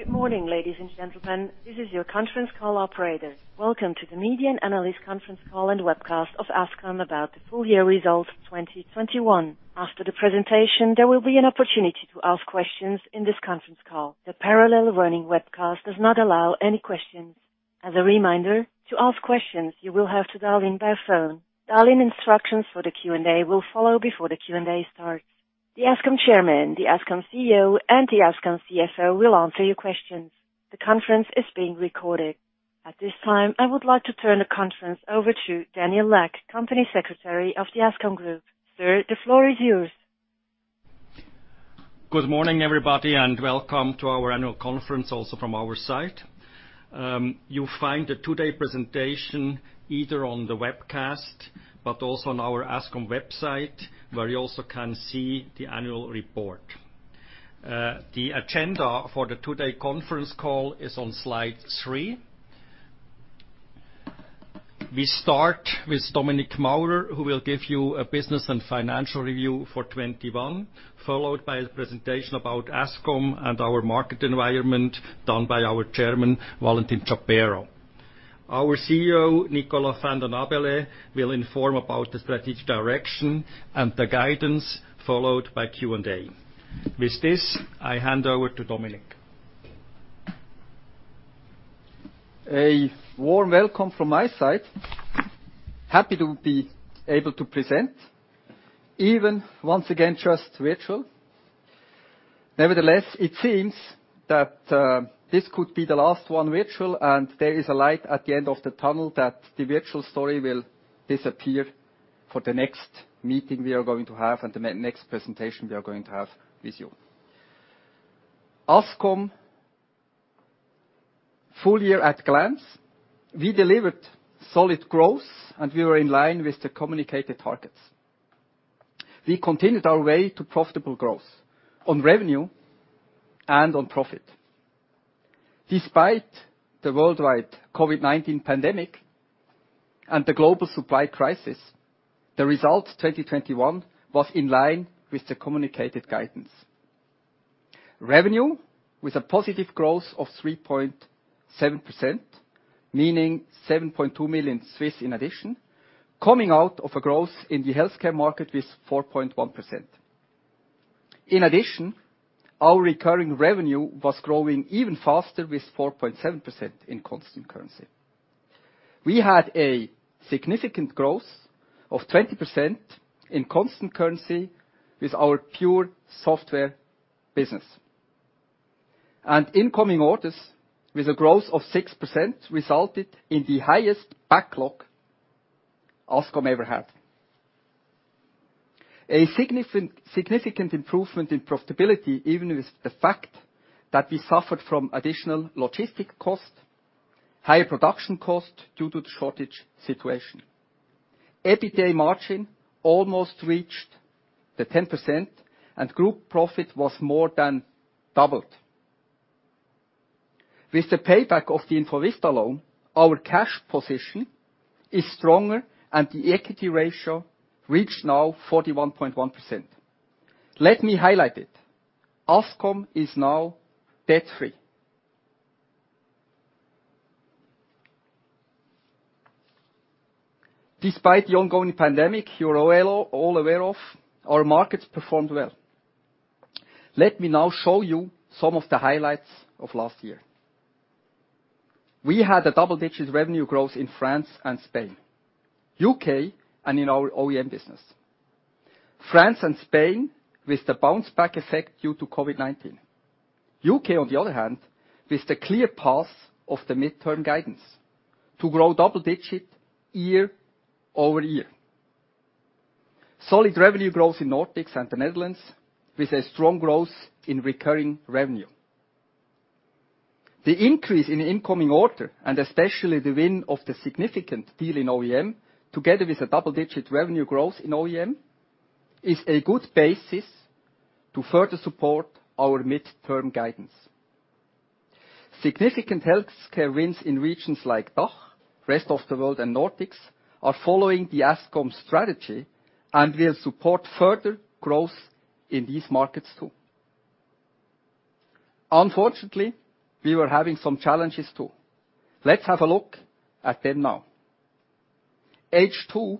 Good morning, ladies and gentlemen. This is your Conference Call operator. Welcome to the Media and Analyst Conference Call and Webcast of Ascom about the full year results 2021. After the presentation, there will be an opportunity to ask questions in this Conference Call. The parallel running webcast does not allow any questions. As a reminder, to ask questions, you will have to dial in by phone. Dial-in instructions for the Q&A will follow before the Q&A starts. The Ascom Chairman, the Ascom CEO, and the Ascom CFO will answer your questions. The conference is being recorded. At this time, I would like to turn the conference over to Daniel Lack, Company Secretary of the Ascom Group. Sir, the floor is yours. Good morning, everybody, and welcome to our annual conference also from our side. You'll find the today presentation either on the webcast, but also on our Ascom website, where you also can see the annual report. The agenda for the today Conference Call is on slide three. We start with Dominik Maurer, who will give you a business and financial review for 2021, followed by a presentation about Ascom and our market environment done by our Chairman, Valentin Chapero Rueda. Our CEO, Nicolas Vanden Abeele, will inform about the strategic direction and the guidance followed by Q&A. With this, I hand over to Dominik. A warm welcome from my side. Happy to be able to present, even once again, just virtual. Nevertheless, it seems that this could be the last one virtual, and there is a light at the end of the tunnel that the virtual story will disappear for the next meeting we are going to have and the next presentation we are going to have with you. Ascom, full year at a glance, we delivered solid growth, and we were in line with the communicated targets. We continued our way to profitable growth on revenue and on profit. Despite the worldwide COVID-19 pandemic and the global supply crisis, the results 2021 were in line with the communicated guidance. Revenue with a positive growth of 3.7%, meaning 7.2 million in addition, coming out of a growth in the healthcare market with 4.1%. In addition, our recurring revenue was growing even faster with 4.7% in constant currency. We had a significant growth of 20% in constant currency with our pure software business. Incoming orders with a growth of 6% resulted in the highest backlog Ascom ever had. A significant improvement in profitability, even with the fact that we suffered from additional logistic cost, higher production cost due to the shortage situation. EBITDA margin almost reached the 10%, and group profit was more than doubled. With the payback of the Infovista loan, our cash position is stronger, and the equity ratio reached now 41.1%. Let me highlight it. Ascom is now debt-free. Despite the ongoing pandemic, you're all aware of, our markets performed well. Let me now show you some of the highlights of last year. We had double-digit revenue growth in France and Spain, U.K., and in our OEM business. France and Spain with the bounce back effect due to COVID-19. U.K., on the other hand, with the clear path of the midterm guidance to grow double digit year-over-year. Solid revenue growth in Nordics and the Netherlands with a strong growth in recurring revenue. The increase in incoming order, and especially the win of the significant deal in OEM, together with a double-digit revenue growth in OEM, is a good basis to further support our midterm guidance. Significant healthcare wins in regions like DACH, rest of the world and Nordics, are following the Ascom strategy and will support further growth in these markets, too. Unfortunately, we were having some challenges, too. Let's have a look at them now. H2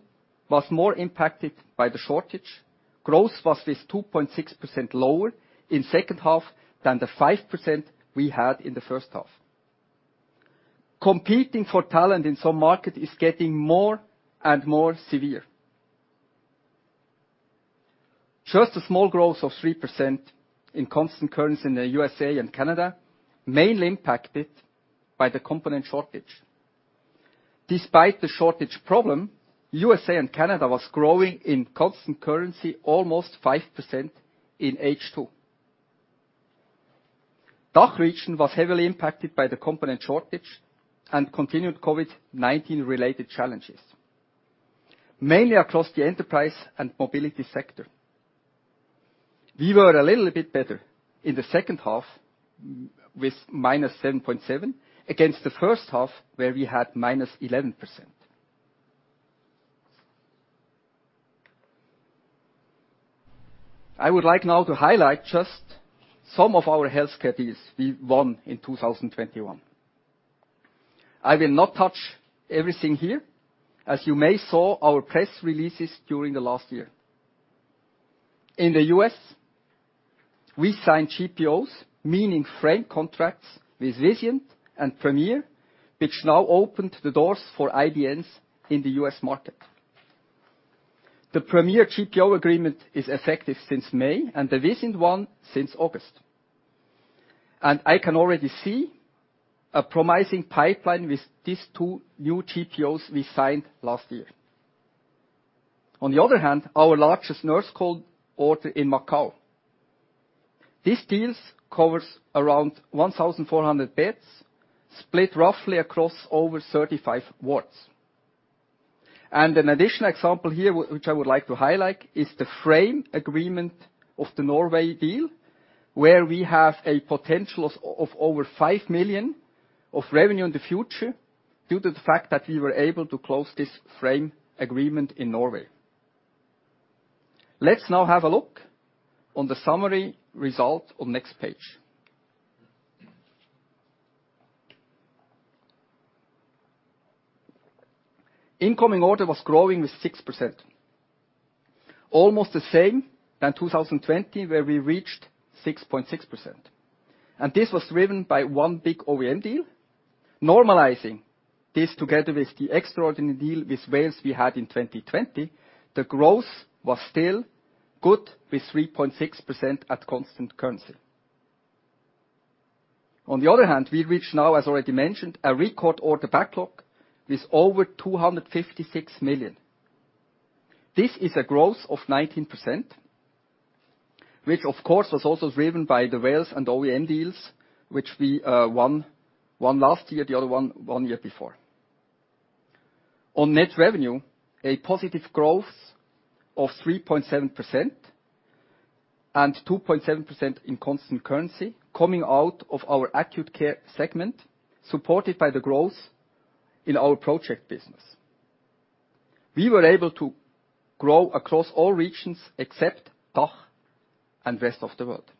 was more impacted by the shortage. Growth was 2.6% lower in second half than the 5% we had in the first half. Competing for talent in some market is getting more and more severe. Just a small growth of 3% in constant currency in the USA and Canada, mainly impacted by the component shortage. Despite the shortage problem, USA and Canada was growing in constant currency almost 5% in H2. DACH region was heavily impacted by the component shortage and continued COVID-19-related challenges, mainly across the enterprise and mobility sector. We were a little bit better in the second half with -7.7% against the first half where we had -11%. I would like now to highlight just some of our health categories we won in 2021. I will not touch everything here, as you may have seen our press releases during the last year. In the U.S., we signed GPOs, meaning frame contracts, with Vizient and Premier, which now opened the doors for IDNs in the U.S. market. The Premier GPO agreement is effective since May, and the Vizient one since August. I can already see a promising pipeline with these two new GPOs we signed last year. On the other hand, our largest Nurse Call order in Macau covers around 1,400 beds, split roughly across over 35 wards. An additional example here which I would like to highlight is the frame agreement of the South-Eastern Norway deal, where we have a potential of over 5 million of revenue in the future due to the fact that we were able to close this frame agreement in South-Eastern Norway. Let's now have a look on the summary result on next page. Incoming order was growing with 6%. Almost the same as 2020, where we reached 6.6%, and this was driven by one big OEM deal. Normalizing this together with the extraordinary deal with Wales we had in 2020, the growth was still good, with 3.6% at constant currency. On the other hand, we reached now, as already mentioned, a record order backlog with over 256 million. This is a growth of 19%, which of course was also driven by the Wales and OEM deals which we won last year, the other one year before. On net revenue, a positive growth of 3.7% and 2.7% in constant currency coming out of our acute care segment, supported by the growth in our project business. We were able to grow across all regions except DACH and rest of the world.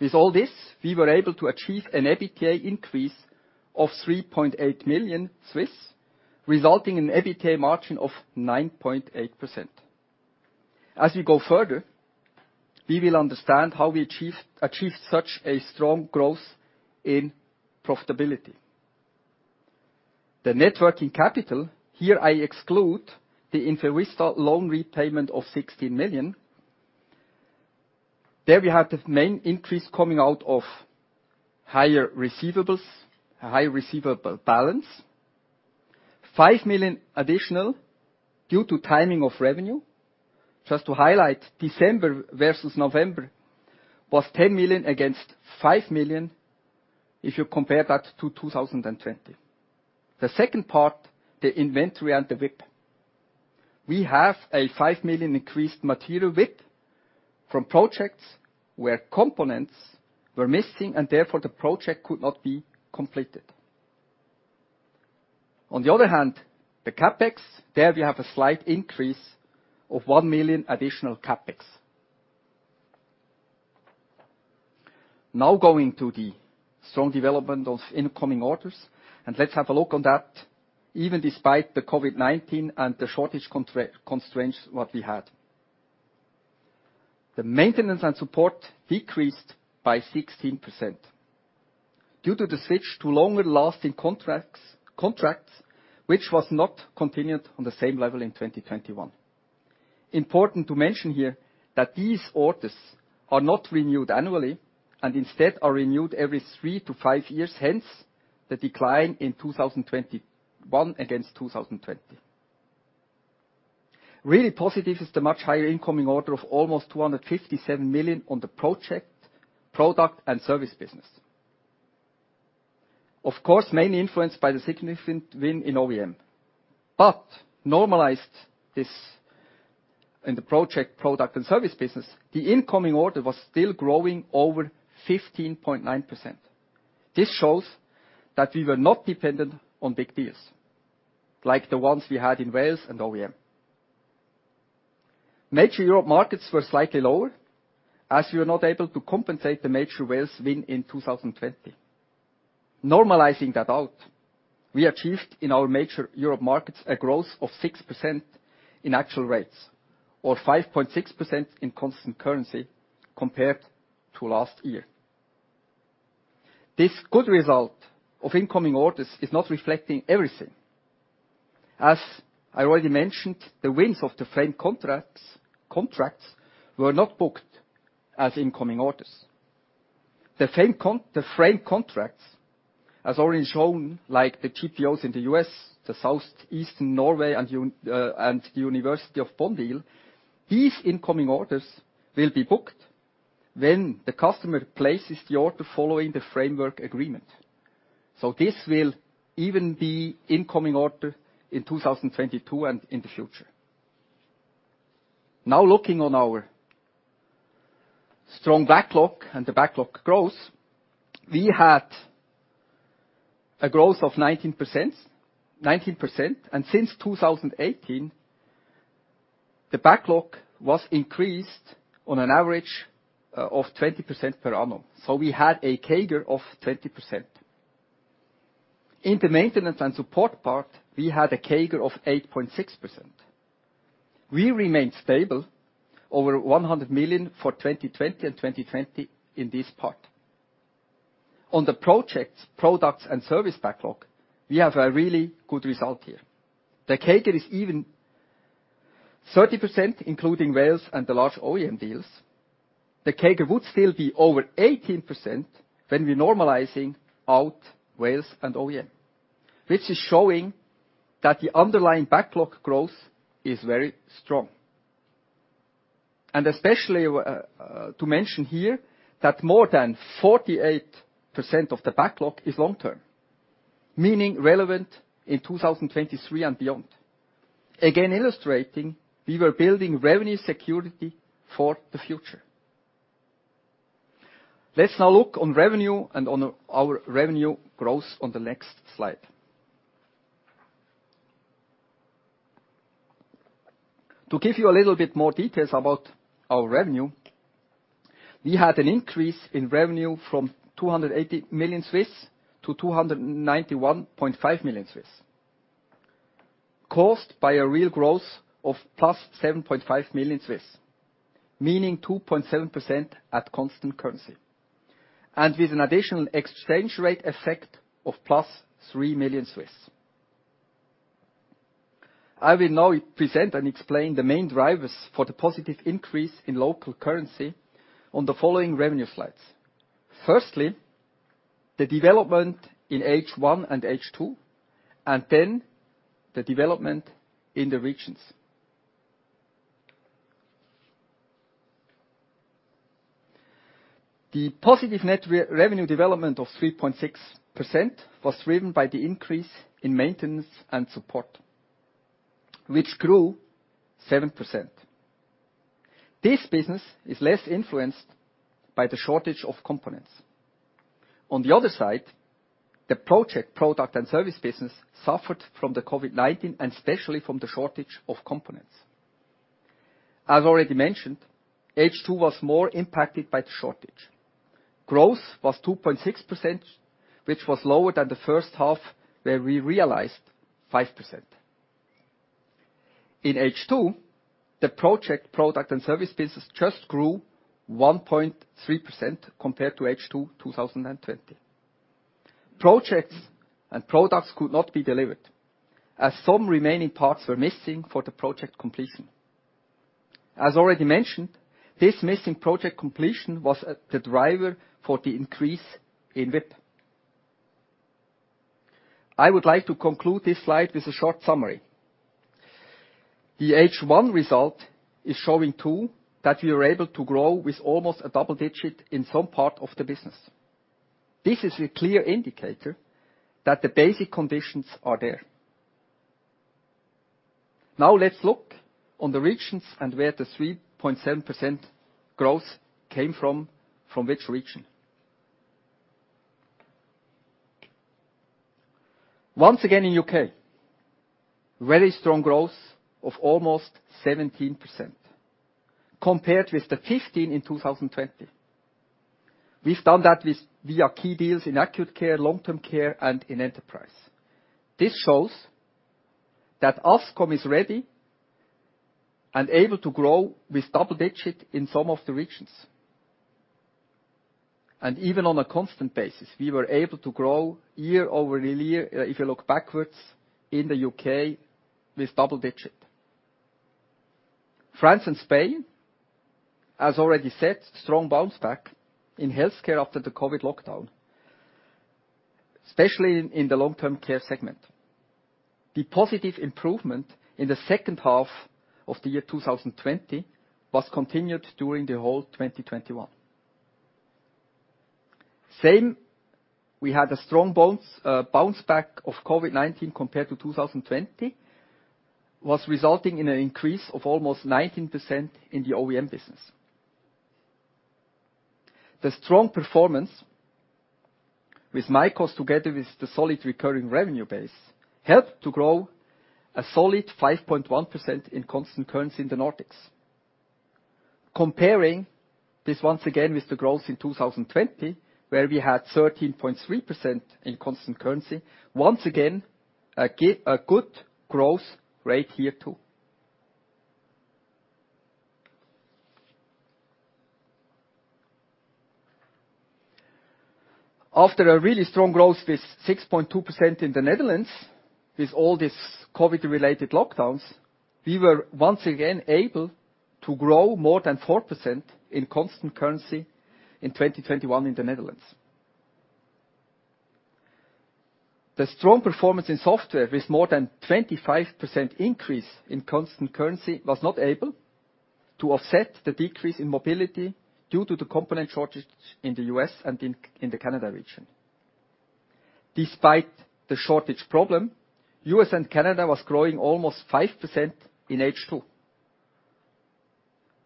With all this, we were able to achieve an EBITDA increase of 3.8 million, resulting in EBITDA margin of 9.8%. As we go further, we will understand how we achieved such a strong growth in profitability. The net working capital, here I exclude the Infovista loan repayment of 16 million. There we have the main increase coming out of higher receivables, a high receivable balance. 5 million additional due to timing of revenue. Just to highlight, December versus November was 10 million against 5 million, if you compare that to 2020. The second part, the inventory and the WIP. We have a 5 million increased material buildup from projects where components were missing and therefore the project could not be completed. On the other hand, the CapEx, there we have a slight increase of 1 million additional CapEx. Now going to the strong development of incoming orders, and let's have a look on that, even despite the COVID-19 and the shortage constraints what we had. The maintenance and support decreased by 16% due to the switch to longer-lasting contracts which was not continued on the same level in 2021. Important to mention here that these orders are not renewed annually and instead are renewed every three to five years. Hence, the decline in 2021 against 2020. Really positive is the much higher incoming order of almost 257 million on the project, product and service business. Of course, mainly influenced by the significant win in OEM. Normalized this in the project, product and service business, the incoming order was still growing over 15.9%. This shows that we were not dependent on big deals like the ones we had in Wales and OEM. Major Europe markets were slightly lower, as we were not able to compensate the major Wales win in 2020. Normalizing that out, we achieved in our major Europe markets a growth of 6% in actual rates or 5.6% in constant currency compared to last year. This good result of incoming orders is not reflecting everything. As I already mentioned, the wins of the frame contracts were not booked as incoming orders. The frame contracts, as already shown, like the GPOs in the U.S., the South-Eastern Norway and the University Hospital Bonn deal, these incoming orders will be booked when the customer places the order following the framework agreement. This will even be incoming order in 2022 and in the future. Now looking on our strong backlog and the backlog grows. We had a growth of 19%. Since 2018, the backlog was increased on an average of 20% per annum. We had a CAGR of 20%. In the maintenance and support part, we had a CAGR of 8.6%. We remained stable over 100 million for 2020 and 2021 in this part. On the projects, products, and service backlog, we have a really good result here. The CAGR is even 30%, including Wales and the large OEM deals. The CAGR would still be over 18% when we normalizing out Wales and OEM, which is showing that the underlying backlog growth is very strong. Especially to mention here, that more than 48% of the backlog is long-term, meaning relevant in 2023 and beyond. Again, illustrating we were building revenue security for the future. Let's now look on revenue and on our revenue growth on the next slide. To give you a little bit more details about our revenue, we had an increase in revenue from 280 million to 291.5 million, caused by a real growth of +7.5 million, meaning 2.7% at constant currency. With an additional exchange rate effect of +3 million. I will now present and explain the main drivers for the positive increase in local currency on the following revenue slides. Firstly, the development in H1 and H2, and then the development in the regions. The positive net revenue development of 3.6% was driven by the increase in maintenance and support, which grew 7%. This business is less influenced by the shortage of components. On the other side, the project, product, and service business suffered from the COVID-19, and especially from the shortage of components. As already mentioned, H2 was more impacted by the shortage. Growth was 2.6%, which was lower than the first half, where we realized 5%. In H2, the project, product, and service business just grew 1.3% compared to H2 2020. Projects and products could not be delivered, as some remaining parts were missing for the project completion. As already mentioned, this missing project completion was, the driver for the increase in WIP. I would like to conclude this slide with a short summary. The H1 result is showing, too, that we are able to grow with almost a double digit in some part of the business. This is a clear indicator that the basic conditions are there. Now let's look at the regions and where the 3.7% growth came from which region. Once again, in the U.K., very strong growth of almost 17% compared with the 15% in 2020. We've done that with key deals in acute care, long-term care, and in enterprise. This shows that Ascom is ready and able to grow with double-digit in some of the regions. Even on a constant basis, we were able to grow year-over-year if you look back in the U.K. with double-digit. France and Spain, as already said, strong bounce back in healthcare after the COVID lockdown, especially in the long-term care segment. The positive improvement in the H2 the year 2020 was continued during the whole 2021. We had a strong bounce back of COVID-19 compared to 2020, was resulting in an increase of almost 19% in the OEM business. The strong performance with Myco together with the solid recurring revenue base, helped to grow a solid 5.1% in constant currency in the Nordics. Comparing this once again with the growth in 2020, where we had 13.3% in constant currency, once again a good growth rate here too. After a really strong growth with 6.2% in the Netherlands with all these COVID-related lockdowns, we were once again able to grow more than 4% in constant currency in 2021 in the Netherlands. The strong performance in software with more than 25% increase in constant currency was not able to offset the decrease in mobility due to the component shortage in the U.S. and in the Canada region. Despite the shortage problem, U.S. and Canada was growing almost 5% in H2.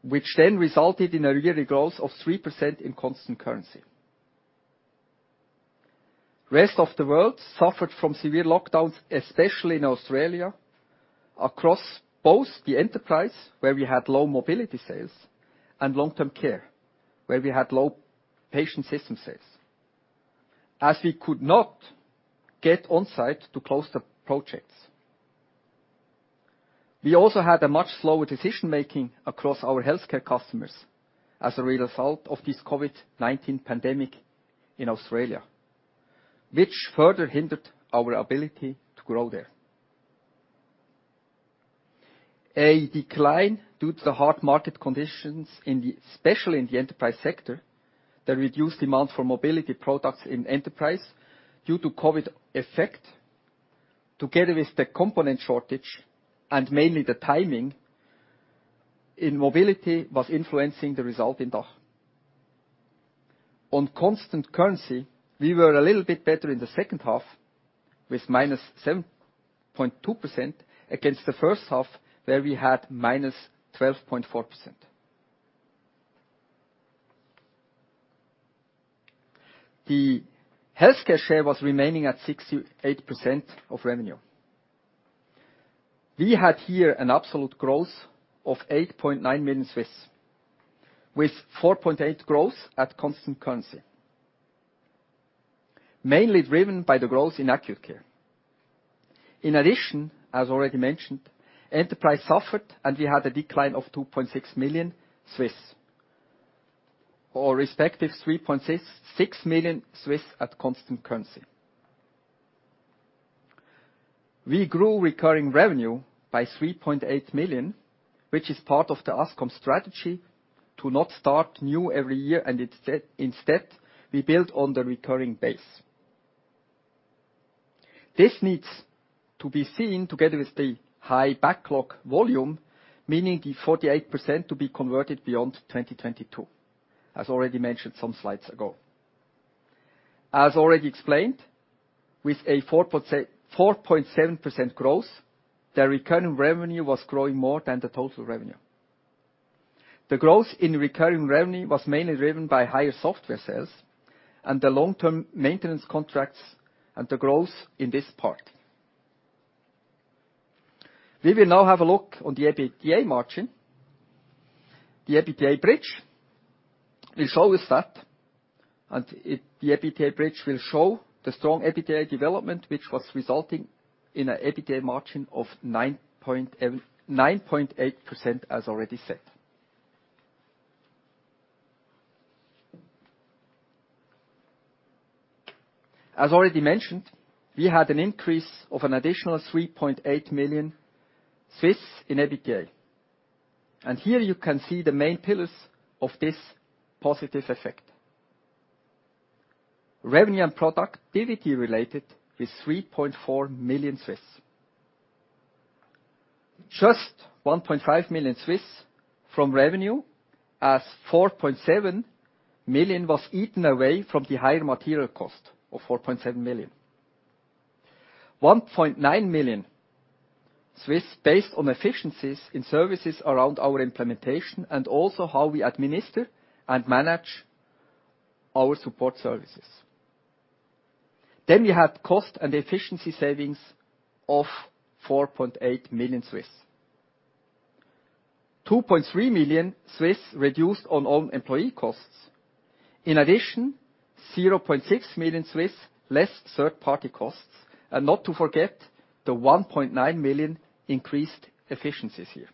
Which then resulted in a yearly growth of 3% in constant currency. Rest of the world suffered from severe lockdowns, especially in Australia, across both the enterprise, where we had low mobility sales, and long-term care, where we had low patient system sales, as we could not get on-site to close the projects. We also had a much slower decision-making across our healthcare customers as a result of this COVID-19 pandemic in Australia, which further hindered our ability to grow there. A decline due to the hard market conditions in the, especially in the enterprise sector, the reduced demand for mobility products in enterprise due to COVID effect, together with the component shortage and mainly the timing in mobility, was influencing the result in DACH. On constant currency, we were a little bit better in the second half, with -7.2% against the first half, where we had -12.4%. The healthcare share was remaining at 68% of revenue. We had here an absolute growth of 8.9 million, with 4.8% growth at constant currency. Mainly driven by the growth in acute care. In addition, as already mentioned, enterprise suffered, and we had a decline of 2.6 million, or respectively 3.66 million at constant currency. We grew recurring revenue by 3.8 million, which is part of the Ascom strategy to not start new every year, and instead, we build on the recurring base. This needs to be seen together with the high backlog volume, meaning the 48% to be converted beyond 2022, as already mentioned some slides ago. As already explained, with a 4.7% growth, the recurring revenue was growing more than the total revenue. The growth in recurring revenue was mainly driven by higher software sales and the long-term maintenance contracts and the growth in this part. We will now have a look on the EBITDA margin. The EBITDA bridge will show us that, the EBITDA bridge will show the strong EBITDA development, which was resulting in a EBITDA margin of 9.8%, as already said. As already mentioned, we had an increase of an additional 3.8 million in EBITDA. Here you can see the main pillars of this positive effect. Revenue and productivity related is 3.4 million. Just 1.5 million from revenue, as 4.7 million was eaten away from the higher material cost of 4.7 million. 1.9 million based on efficiencies in services around our implementation and also how we administer and manage our support services. We had cost and efficiency savings of 4.8 million. 2.3 million reduced on all employee costs. In addition, 0.6 million less third-party costs, and not to forget the 1.9 million increased efficiencies here.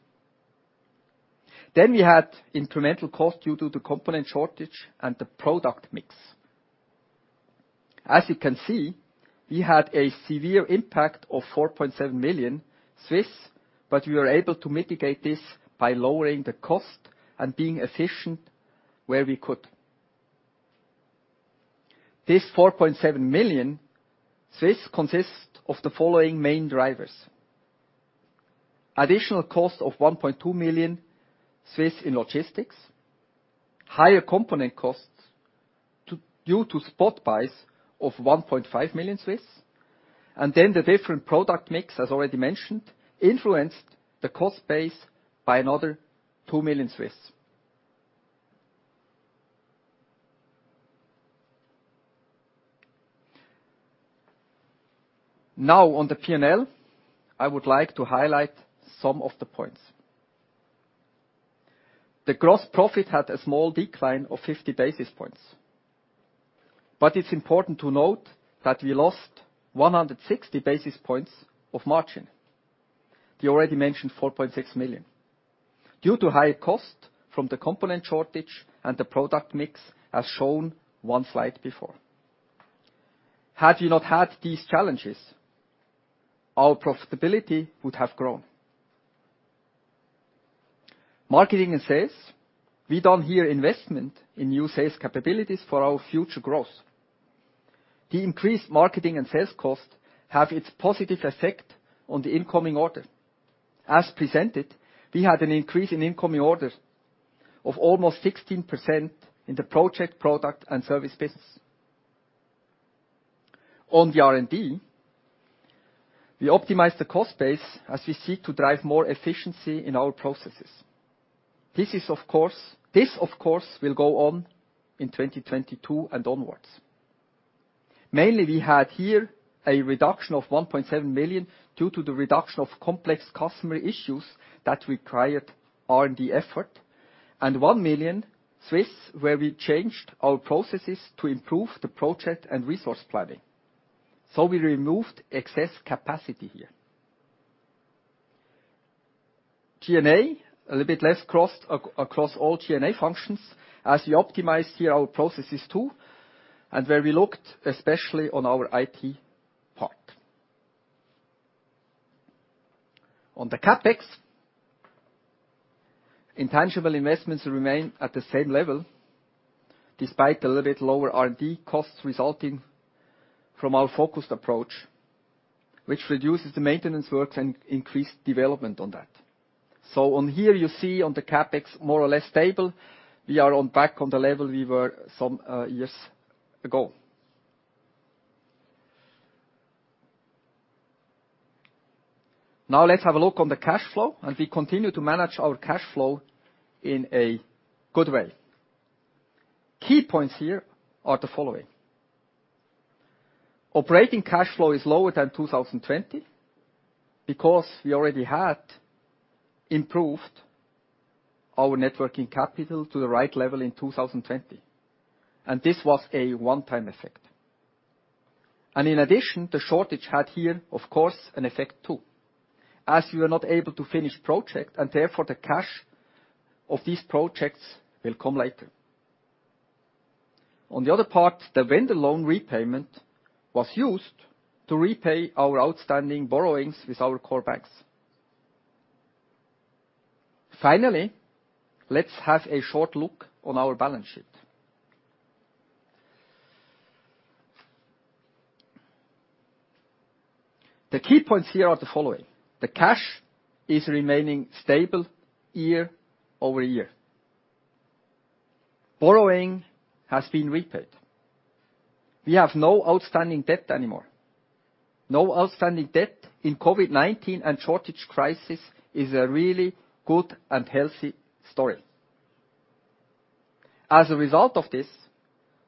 We had incremental cost due to the component shortage and the product mix. As you can see, we had a severe impact of 4.7 million, but we were able to mitigate this by lowering the cost and being efficient where we could. This 4.7 million consists of the following main drivers: additional cost of 1.2 million in logistics, higher component costs due to spot buys of 1.5 million, and then the different product mix, as already mentioned, influenced the cost base by another 2 million. Now on the P&L, I would like to highlight some of the points. The gross profit had a small decline of 50 basis points, but it's important to note that we lost 160 basis points of margin, the already mentioned 4.6 million, due to higher cost from the component shortage and the product mix, as shown one slide before. Had we not had these challenges, our profitability would have grown. Marketing and sales. We done here investment in new sales capabilities for our future growth. The increased marketing and sales cost have its positive effect on the incoming order. As presented, we had an increase in incoming orders of almost 16% in the project, product, and service business. On the R&D, we optimized the cost base as we seek to drive more efficiency in our processes. This, of course, will go on in 2022 and onwards. Mainly we had here a reduction of 1.7 million due to the reduction of complex customer issues that required R&D effort, and 1 million where we changed our processes to improve the project and resource planning. We removed excess capacity here. G&A, a little bit less across all G&A functions as we optimized here our processes too, and where we looked especially on our IT part. On the CapEx, intangible investments remain at the same level despite a little bit lower R&D costs resulting from our focused approach, which reduces the maintenance works and increased development on that. On here, you see on the CapEx more or less stable. We are back on the level we were some years ago. Now let's have a look on the cash flow, and we continue to manage our cash flow in a good way. Key points here are the following. Operating cash flow is lower than 2020 because we already had improved our net working capital to the right level in 2020, and this was a one-time effect. In addition, the shortage had here, of course, an effect too, as we were not able to finish project, and therefore, the cash of these projects will come later. On the other part, the vendor loan repayment was used to repay our outstanding borrowings with our core banks. Finally, let's have a short look on our balance sheet. The key points here are the following. The cash is remaining stable year-over-year. Borrowing has been repaid. We have no outstanding debt anymore. No outstanding debt in COVID-19 and shortage crisis is a really good and healthy story. As a result of this,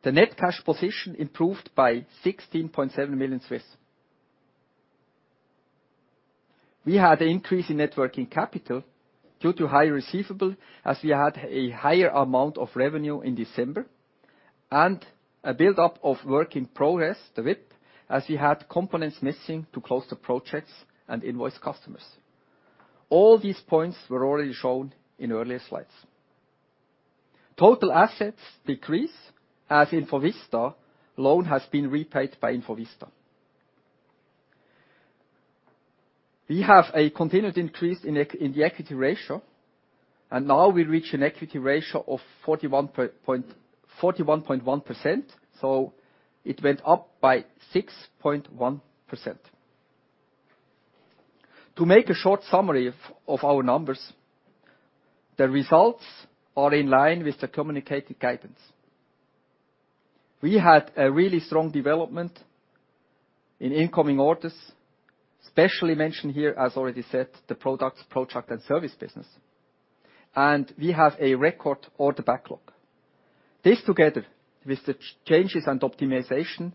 the net cash position improved by 16.7 million. We had an increase in net working capital due to higher receivable, as we had a higher amount of revenue in December and a build-up of work in progress, the WIP, as we had components missing to close the projects and invoice customers. All these points were already shown in earlier slides. Total assets decrease as Infovista loan has been repaid by Infovista. We have a continued increase in the equity ratio, and now we reach an equity ratio of 41.1%, so it went up by 6.1%. To make a short summary of our numbers, the results are in line with the communicated guidance. We had a really strong development in incoming orders, especially mentioned here, as already said, the products, project and service business. We have a record order backlog. This together with the changes and optimization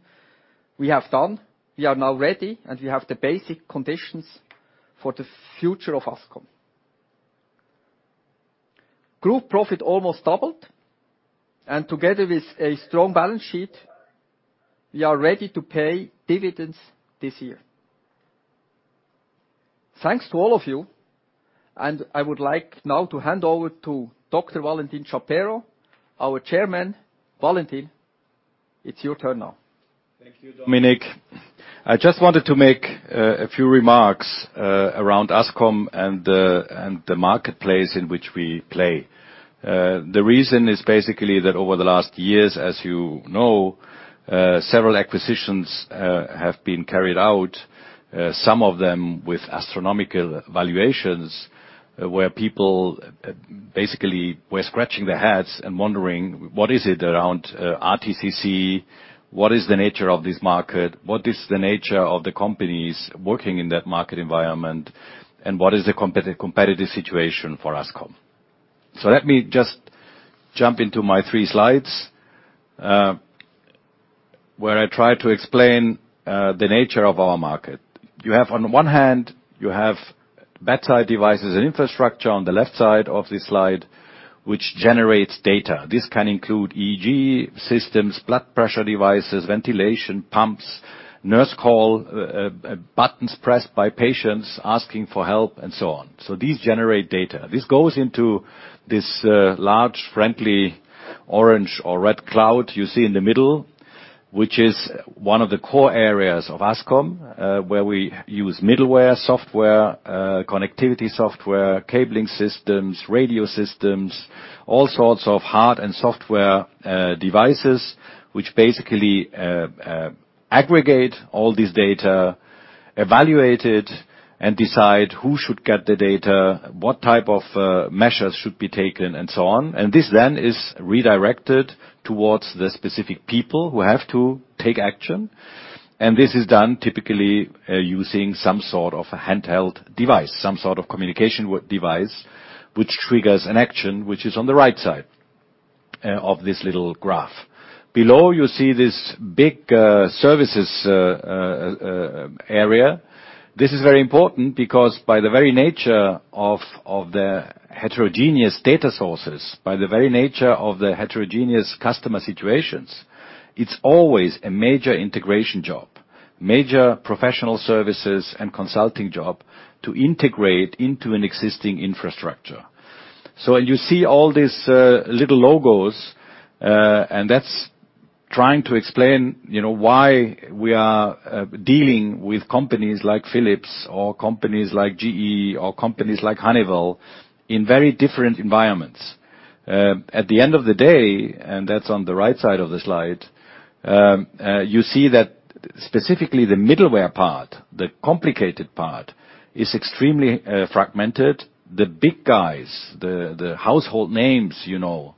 we have done, we are now ready, and we have the basic conditions for the future of Ascom. Group profit almost doubled, and together with a strong balance sheet, we are ready to pay dividends this year. Thanks to all of you, and I would like now to hand over to Dr. Valentin Chapero, our chairman. Valentin, it's your turn now. Thank you, Dominik. I just wanted to make a few remarks around Ascom and the marketplace in which we play. The reason is basically that over the last years, as you know, several acquisitions have been carried out, some of them with astronomical valuations, where people basically were scratching their heads and wondering, "What is it around RTCC? What is the nature of this market? What is the nature of the companies working in that market environment? And what is the competitive situation for Ascom?" Let me just jump into my three slides where I try to explain the nature of our market. You have on one hand, bedside devices and infrastructure on the left side of this slide, which generates data. This can include EEG systems, blood pressure devices, ventilation pumps, Nurse Call, buttons pressed by patients asking for help, and so on. These generate data. This goes into this large, friendly orange or red cloud you see in the middle, which is one of the core areas of Ascom, where we use middleware software, connectivity software, cabling systems, radio systems, all sorts of hardware and software, aggregate all this data, evaluate it and decide who should get the data, what type of measures should be taken and so on. This then is redirected towards the specific people who have to take action. This is done typically using some sort of a handheld device, some sort of communication device which triggers an action which is on the right side of this little graph. Below you see this big services area. This is very important because by the very nature of the heterogeneous data sources, by the very nature of the heterogeneous customer situations, it's always a major integration job, major professional services and consulting job to integrate into an existing infrastructure. You see all these little logos, and that's trying to explain, you know, why we are dealing with companies like Philips or companies like GE or companies like Honeywell in very different environments. At the end of the day, that's on the right side of the slide, you see that specifically the middleware part, the complicated part, is extremely fragmented. The big guys, the household names, you know,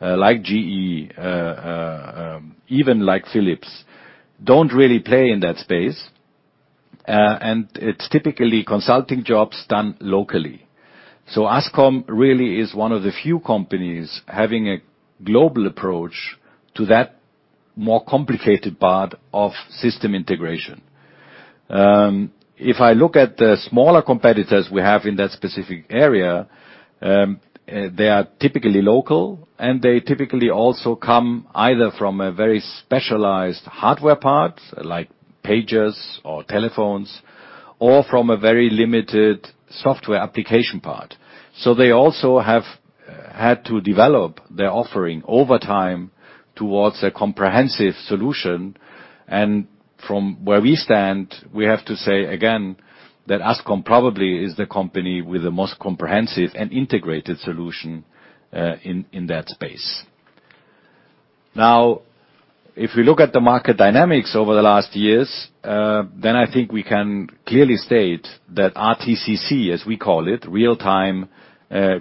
like GE, even like Philips, don't really play in that space. It's typically consulting jobs done locally. Ascom really is one of the few companies having a global approach to that more complicated part of system integration. If I look at the smaller competitors we have in that specific area, they are typically local, and they typically also come either from a very specialized hardware part, like pagers or telephones, or from a very limited software application part. They also have had to develop their offering over time towards a comprehensive solution. From where we stand, we have to say again that Ascom probably is the company with the most comprehensive and integrated solution in that space. Now, if we look at the market dynamics over the last years, then I think we can clearly state that RTCC, as we call it, real-time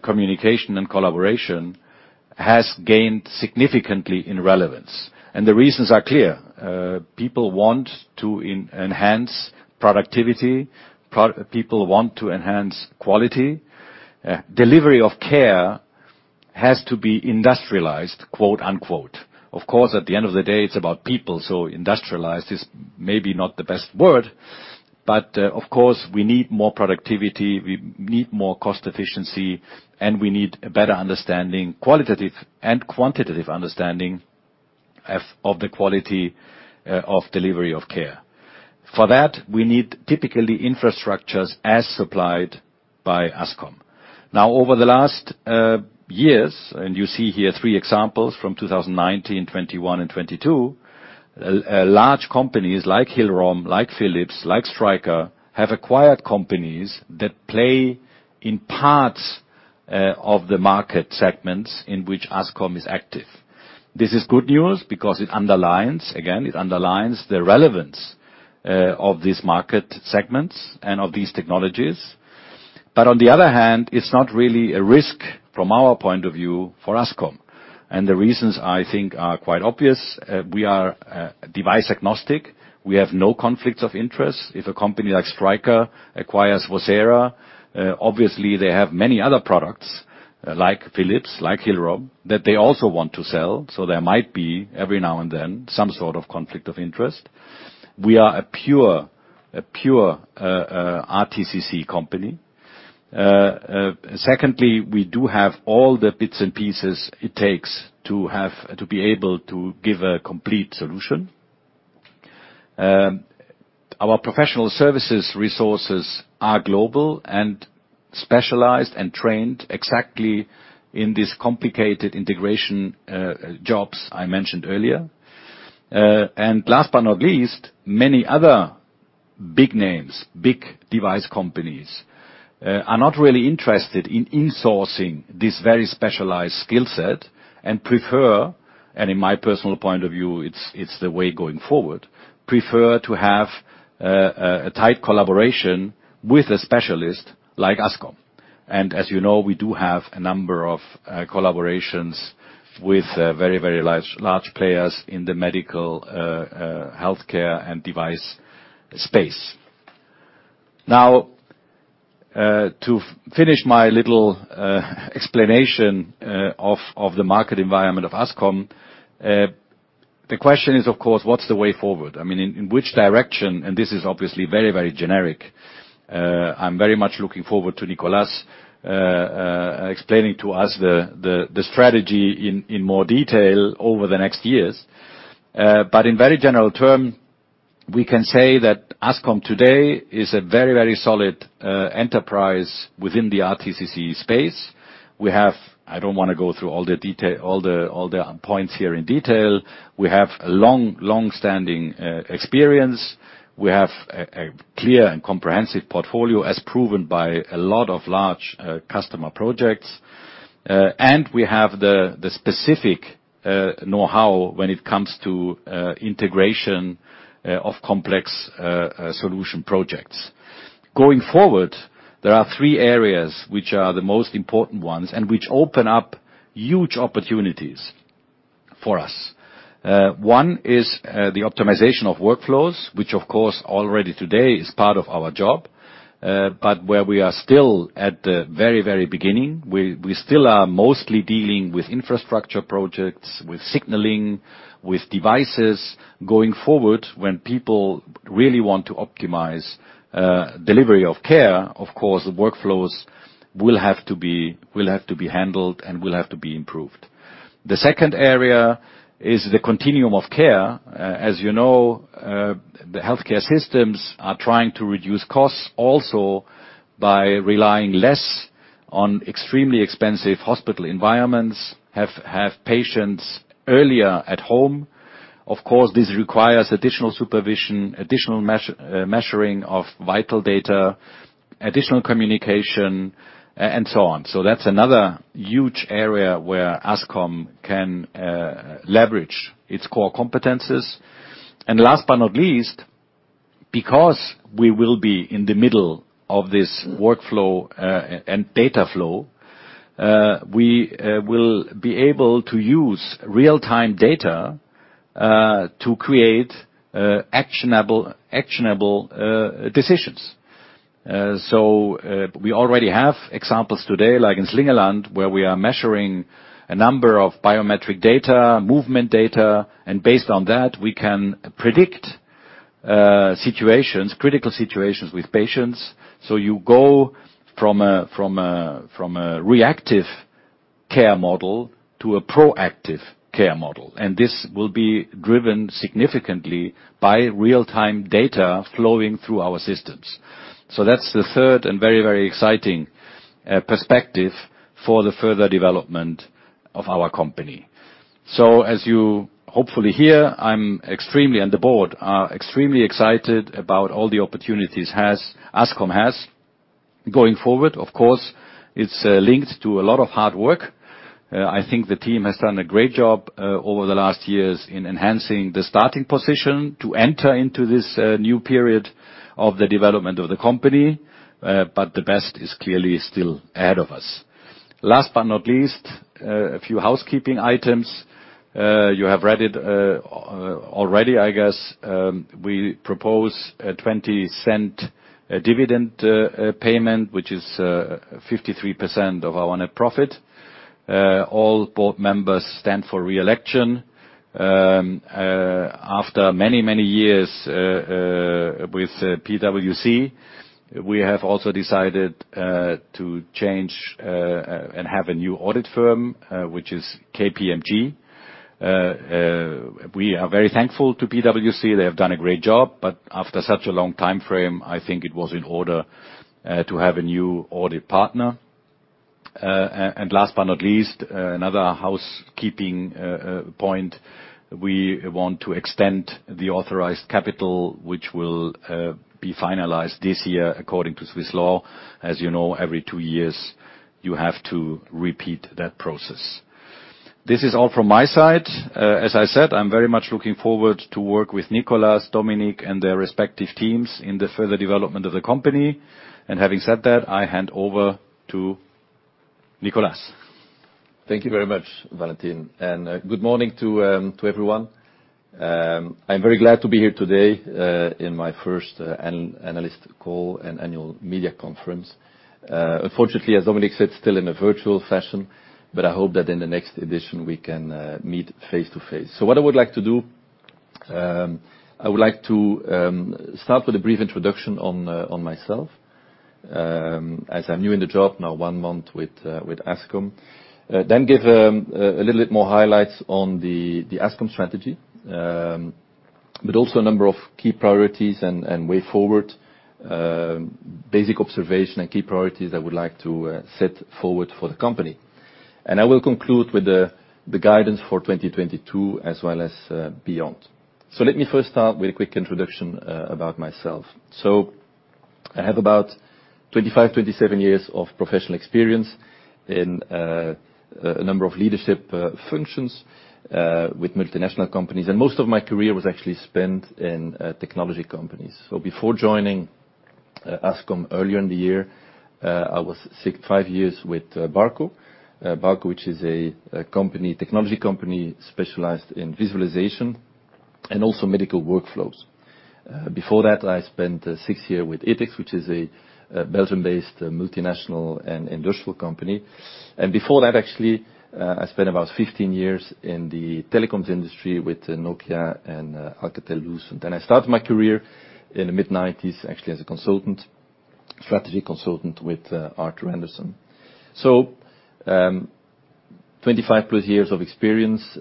communication and collaboration, has gained significantly in relevance. The reasons are clear. People want to enhance productivity. People want to enhance quality. Delivery of care has to be industrialized, quote-unquote. Of course, at the end of the day, it's about people, so industrialized is maybe not the best word, but, of course, we need more productivity, we need more cost efficiency, and we need a better understanding, qualitative and quantitative understanding, of the quality of delivery of care. For that, we need typically infrastructures as supplied by Ascom. Now, over the last years, and you see here three examples from 2019, 2021, and 2022, large companies like Hillrom, like Philips, like Stryker, have acquired companies that play in parts of the market segments in which Ascom is active. This is good news because it underlines the relevance of these market segments and of these technologies. On the other hand, it's not really a risk from our point of view for Ascom. The reasons I think are quite obvious. We are device agnostic. We have no conflicts of interest. If a company like Stryker acquires Vocera, obviously they have many other products like Philips, like Hillrom, that they also want to sell. There might be every now and then some sort of conflict of interest. We are a pure RTCC company. Secondly, we do have all the bits and pieces it takes to be able to give a complete solution. Our professional services resources are global and specialized and trained exactly in these complicated integration jobs I mentioned earlier. Last but not least, many other big names, device companies are not really interested in insourcing this very specialized skill set and prefer, in my personal point of view, it's the way going forward, to have a tight collaboration with a specialist like Ascom. As you know, we do have a number of collaborations with very large players in the medical healthcare and device space. Now, to finish my little explanation of the market environment of Ascom, the question is, of course, what's the way forward? I mean, in which direction, and this is obviously very generic. I'm very much looking forward to Nicolas explaining to us the strategy in more detail over the next years. In very general term, we can say that Ascom today is a very solid enterprise within the RTCC space. I don't wanna go through all the points here in detail. We have a long-standing experience. We have a clear and comprehensive portfolio as proven by a lot of large customer projects. We have the specific know-how when it comes to integration of complex solution projects. Going forward, there are three areas which are the most important ones and which open up huge opportunities for us. One is the optimization of workflows, which of course already today is part of our job, but where we are still at the very, very beginning. We still are mostly dealing with infrastructure projects, with signaling, with devices. Going forward, when people really want to optimize delivery of care, of course, the workflows will have to be handled and will have to be improved. The second area is the continuum of care. As you know, the healthcare systems are trying to reduce costs also by relying less on extremely expensive hospital environments, have patients earlier at home. Of course, this requires additional supervision, additional measuring of vital data, additional communication, and so on. That's another huge area where Ascom can leverage its core competencies. Last but not least, because we will be in the middle of this workflow and data flow, we will be able to use real-time data to create actionable decisions. We already have examples today, like in Slingeland, where we are measuring a number of biometric data, movement data, and based on that, we can predict situations, critical situations with patients. You go from a reactive care model to a proactive care model. This will be driven significantly by real-time data flowing through our systems. That's the third and very exciting perspective for the further development of our company. As you hopefully hear, I'm extremely, and the board are extremely excited about all the opportunities Ascom has going forward. Of course, it's linked to a lot of hard work. I think the team has done a great job over the last years in enhancing the starting position to enter into this new period of the development of the company. The best is clearly still ahead of us. Last but not least, a few housekeeping items. You have read it already, I guess. We propose a 0.20 CHF dividend payment, which is 53% of our net profit. All board members stand for re-election. After many years with PwC, we have also decided to change and have a new audit firm, which is KPMG. We are very thankful to PwC. They have done a great job, but after such a long time frame, I think it was in order to have a new audit partner. Last but not least, another housekeeping point. We want to extend the authorized capital, which will be finalized this year according to Swiss law. As you know, every two years, you have to repeat that process. This is all from my side. As I said, I'm very much looking forward to work with Nicolas, Dominik, and their respective teams in the further development of the company. Having said that, I hand over to Nicolas. Thank you very much, Valentin. Good morning to everyone. I'm very glad to be here today in my first analyst call and annual media conference. Unfortunately, as Dominik said, still in a virtual fashion, but I hope that in the next edition we can meet face-to-face. What I would like to do, I would like to start with a brief introduction on myself as I'm new in the job, now one month with Ascom. Then give a little bit more highlights on the Ascom strategy, but also a number of key priorities and way forward, basic observation and key priorities I would like to set forward for the company. I will conclude with the guidance for 2022 as well as beyond. Let me first start with a quick introduction about myself. I have about 25-27 years of professional experience in a number of leadership functions with multinational companies. Most of my career was actually spent in technology companies. Before joining Ascom earlier in the year, I was five years with Barco. Barco, which is a technology company specialized in visualization and also medical workflows. Before that, I spent six years with Etex, which is a Belgium-based multinational and industrial company. Before that, actually, I spent about 15 years in the telecoms industry with Nokia and Alcatel-Lucent. I started my career in the mid-1990s, actually as a consultant, strategy consultant with Arthur Andersen. 25 plus years of experience,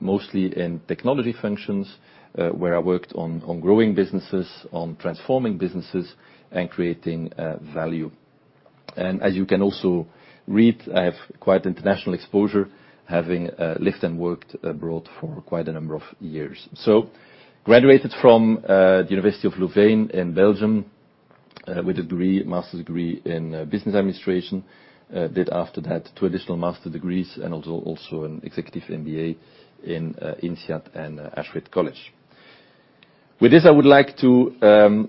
mostly in technology functions, where I worked on growing businesses, on transforming businesses, and creating value. As you can also read, I have quite international exposure, having lived and worked abroad for quite a number of years. Graduated from the University of Louvain in Belgium with a degree, master's degree in business administration. Did after that two additional master degrees and also an executive MBA in INSEAD and Ashridge College. With this, I would like to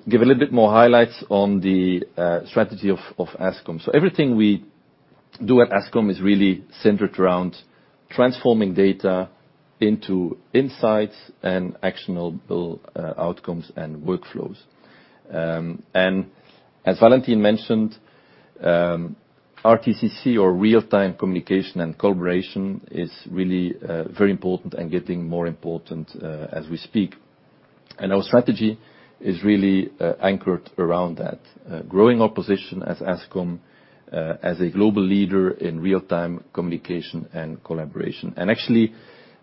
give a little bit more highlights on the strategy of Ascom. Everything we do at Ascom is really centered around transforming data into insights and actionable outcomes and workflows. As Valentin mentioned, RTCC or real-time communication and collaboration is really very important and getting more important as we speak. Our strategy is really anchored around that. Growing our position as Ascom as a global leader in real-time communication and collaboration. Actually,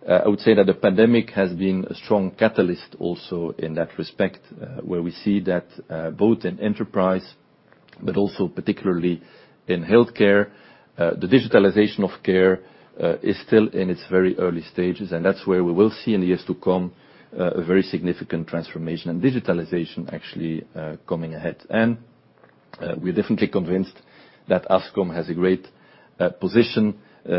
I would say that the pandemic has been a strong catalyst also in that respect. Where we see that both in enterprise but also particularly in healthcare the digitalization of care is still in its very early stages. That's where we will see in the years to come a very significant transformation and digitalization actually coming ahead. We're definitely convinced that Ascom has a great position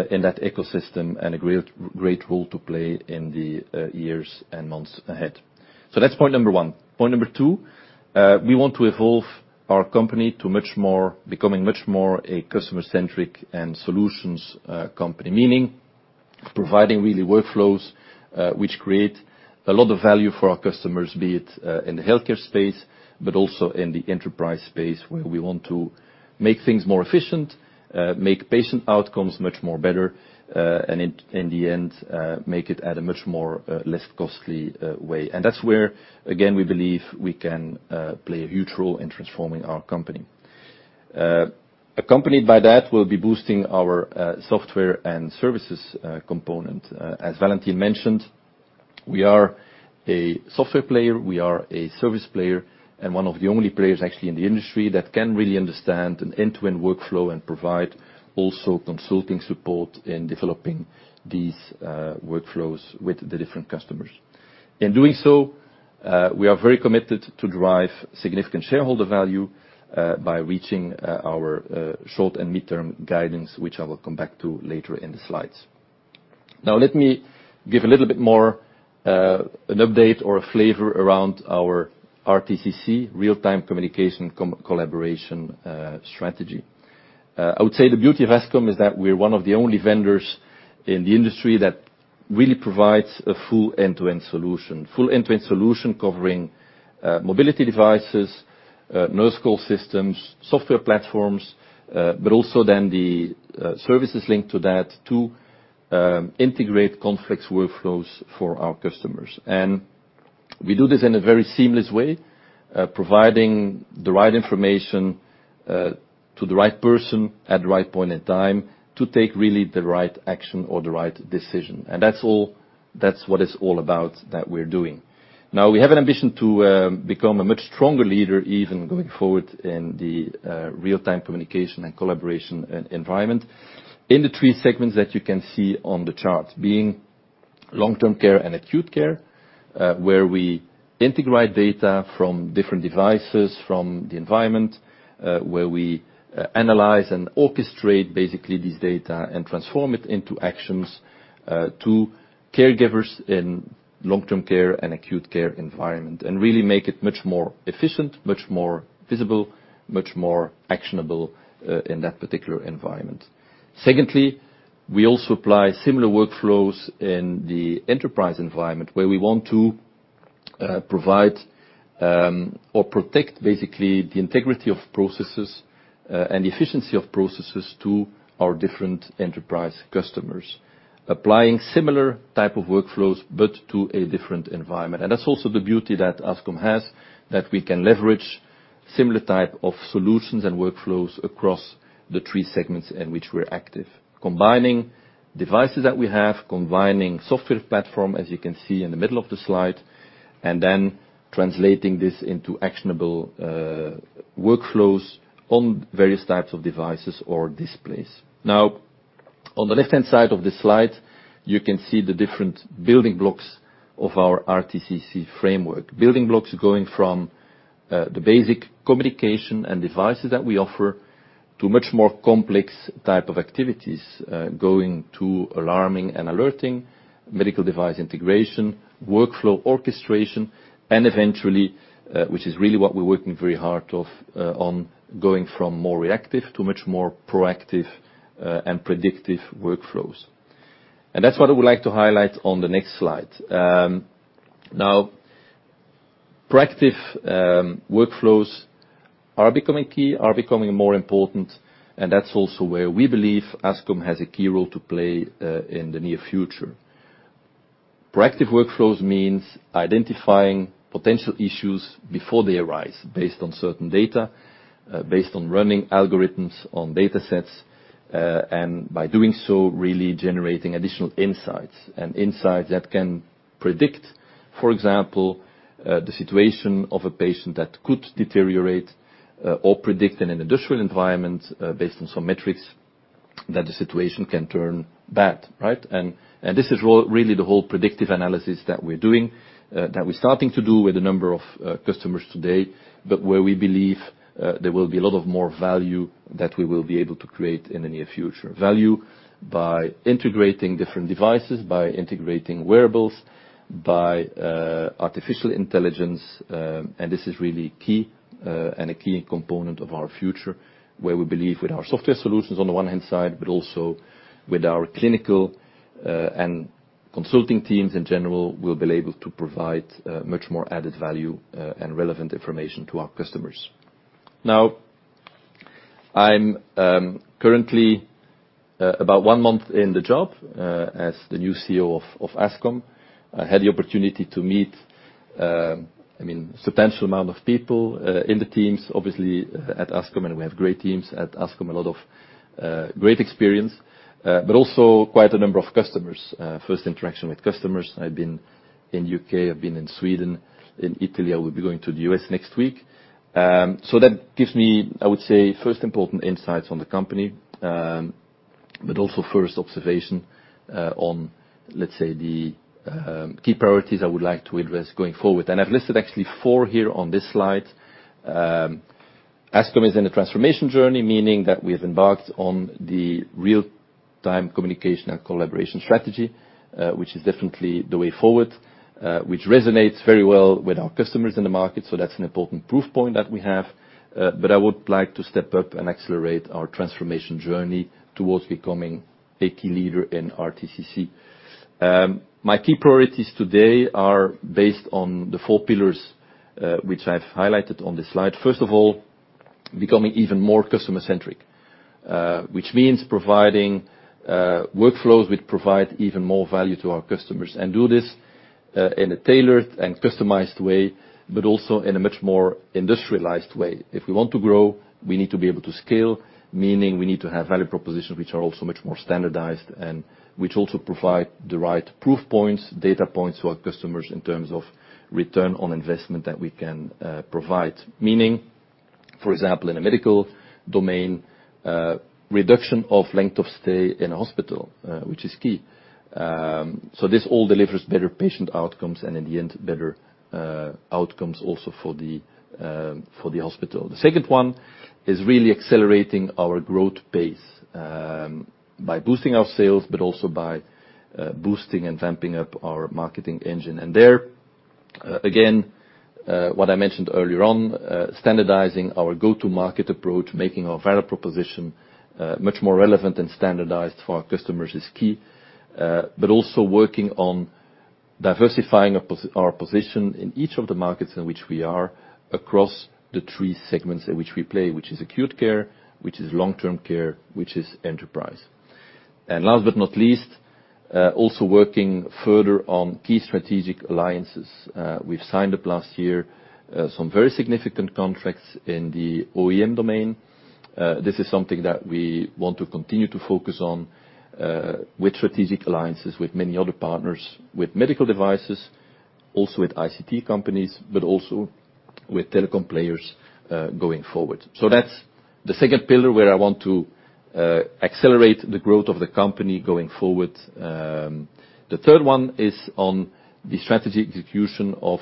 in that ecosystem and a great role to play in the years and months ahead. That's point number one. Point number two, we want to evolve our company to becoming much more a customer-centric and solutions company. Meaning providing really workflows which create a lot of value for our customers, be it in the healthcare space, but also in the enterprise space, where we want to make things more efficient, make patient outcomes much more better, and in the end make it at a much more less costly way. That's where again, we believe we can play a huge role in transforming our company. Accompanied by that, we'll be boosting our software and services component. As Valentin mentioned, we are a software player, we are a service player, and one of the only players actually in the industry that can really understand an end-to-end workflow and provide also consulting support in developing these workflows with the different customers. In doing so, we are very committed to drive significant shareholder value by reaching our short and mid-term guidance, which I will come back to later in the slides. Now let me give a little bit more an update or a flavor around our RTCC real-time communication and collaboration strategy. I would say the beauty of Ascom is that we're one of the only vendors in the industry that really provides a full end-to-end solution. Full end-to-end solution covering mobility devices, nurse call systems, software platforms, but also then the services linked to that to integrate complex workflows for our customers. We do this in a very seamless way, providing the right information to the right person at the right point in time to take really the right action or the right decision. That's all, that's what it's all about that we're doing. Now, we have an ambition to become a much stronger leader even going forward in the real-time communication and collaboration environment in the three segments that you can see on the chart. In long-term care and acute care, where we integrate data from different devices, from the environment, where we analyze and orchestrate basically this data and transform it into actions to caregivers in long-term care and acute care environment. Really make it much more efficient, much more visible, much more actionable in that particular environment. Secondly, we also apply similar workflows in the enterprise environment, where we want to provide or protect basically the integrity of processes and efficiency of processes to our different enterprise customers. Applying similar type of workflows, but to a different environment. That's also the beauty that Ascom has, that we can leverage similar type of solutions and workflows across the three segments in which we're active. Combining devices that we have, combining software platform, as you can see in the middle of the slide, and then translating this into actionable workflows on various types of devices or displays. Now, on the left-hand side of this slide, you can see the different building blocks of our RTCC framework. Building blocks going from the basic communication and devices that we offer, to much more complex type of activities, going to alarming and alerting, medical device integration, workflow orchestration, and eventually, which is really what we're working very hard on, going from more reactive to much more proactive and predictive workflows. That's what I would like to highlight on the next slide. Now, proactive workflows are becoming key, are becoming more important, and that's also where we believe Ascom has a key role to play in the near future. Proactive workflows means identifying potential issues before they arise based on certain data, based on running algorithms on data sets, and by doing so, really generating additional insights. Insights that can predict, for example, the situation of a patient that could deteriorate, or predict in an industrial environment, based on some metrics that the situation can turn bad, right? This is really the whole predictive analysis that we're doing, that we're starting to do with a number of customers today, but where we believe there will be a lot more value that we will be able to create in the near future. Value by integrating different devices, by integrating wearables, by artificial intelligence, and this is really key, and a key component of our future, where we believe with our software solutions on the one hand side, but also with our clinical, and consulting teams in general, we'll be able to provide much more added value, and relevant information to our customers. Now, I'm currently about one month in the job as the new CEO of Ascom. I had the opportunity to meet, I mean, substantial amount of people in the teams, obviously, at Ascom, and we have great teams at Ascom, a lot of great experience, but also quite a number of customers, first interaction with customers. I've been in the U.K., I've been in Sweden, in Italy, I will be going to the U.S. next week. That gives me, I would say, first important insights on the company, but also first observation on, let's say, the key priorities I would like to address going forward. I've listed actually four here on this slide. Ascom is in a transformation journey, meaning that we have embarked on the real-time communication and collaboration strategy, which is definitely the way forward, which resonates very well with our customers in the market. That's an important proof point that we have. I would like to step up and accelerate our transformation journey towards becoming a key leader in RTCC. My key priorities today are based on the four pillars, which I've highlighted on this slide. First of all, becoming even more customer-centric, which means providing workflows which provide even more value to our customers and do this in a tailored and customized way, but also in a much more industrialized way. If we want to grow, we need to be able to scale, meaning we need to have value propositions which are also much more standardized, and which also provide the right proof points, data points to our customers in terms of return on investment that we can provide. Meaning, for example, in a medical domain, reduction of length of stay in a hospital, which is key. So this all delivers better patient outcomes, and in the end, better outcomes also for the hospital. The second one is really accelerating our growth pace by boosting our sales, but also by boosting and ramping up our marketing engine. There again, what I mentioned earlier on, standardizing our go-to-market approach, making our value proposition much more relevant and standardized for our customers is key. But also working on diversifying our position in each of the markets in which we are across the three segments in which we play, which is acute care, which is long-term care, which is enterprise. Last but not least, also working further on key strategic alliances. We've signed up last year some very significant contracts in the OEM domain. This is something that we want to continue to focus on, with strategic alliances, with many other partners, with medical devices, also with ICT companies, but also with telecom players, going forward. That's the second pillar where I want to accelerate the growth of the company going forward. The third one is on the strategy execution of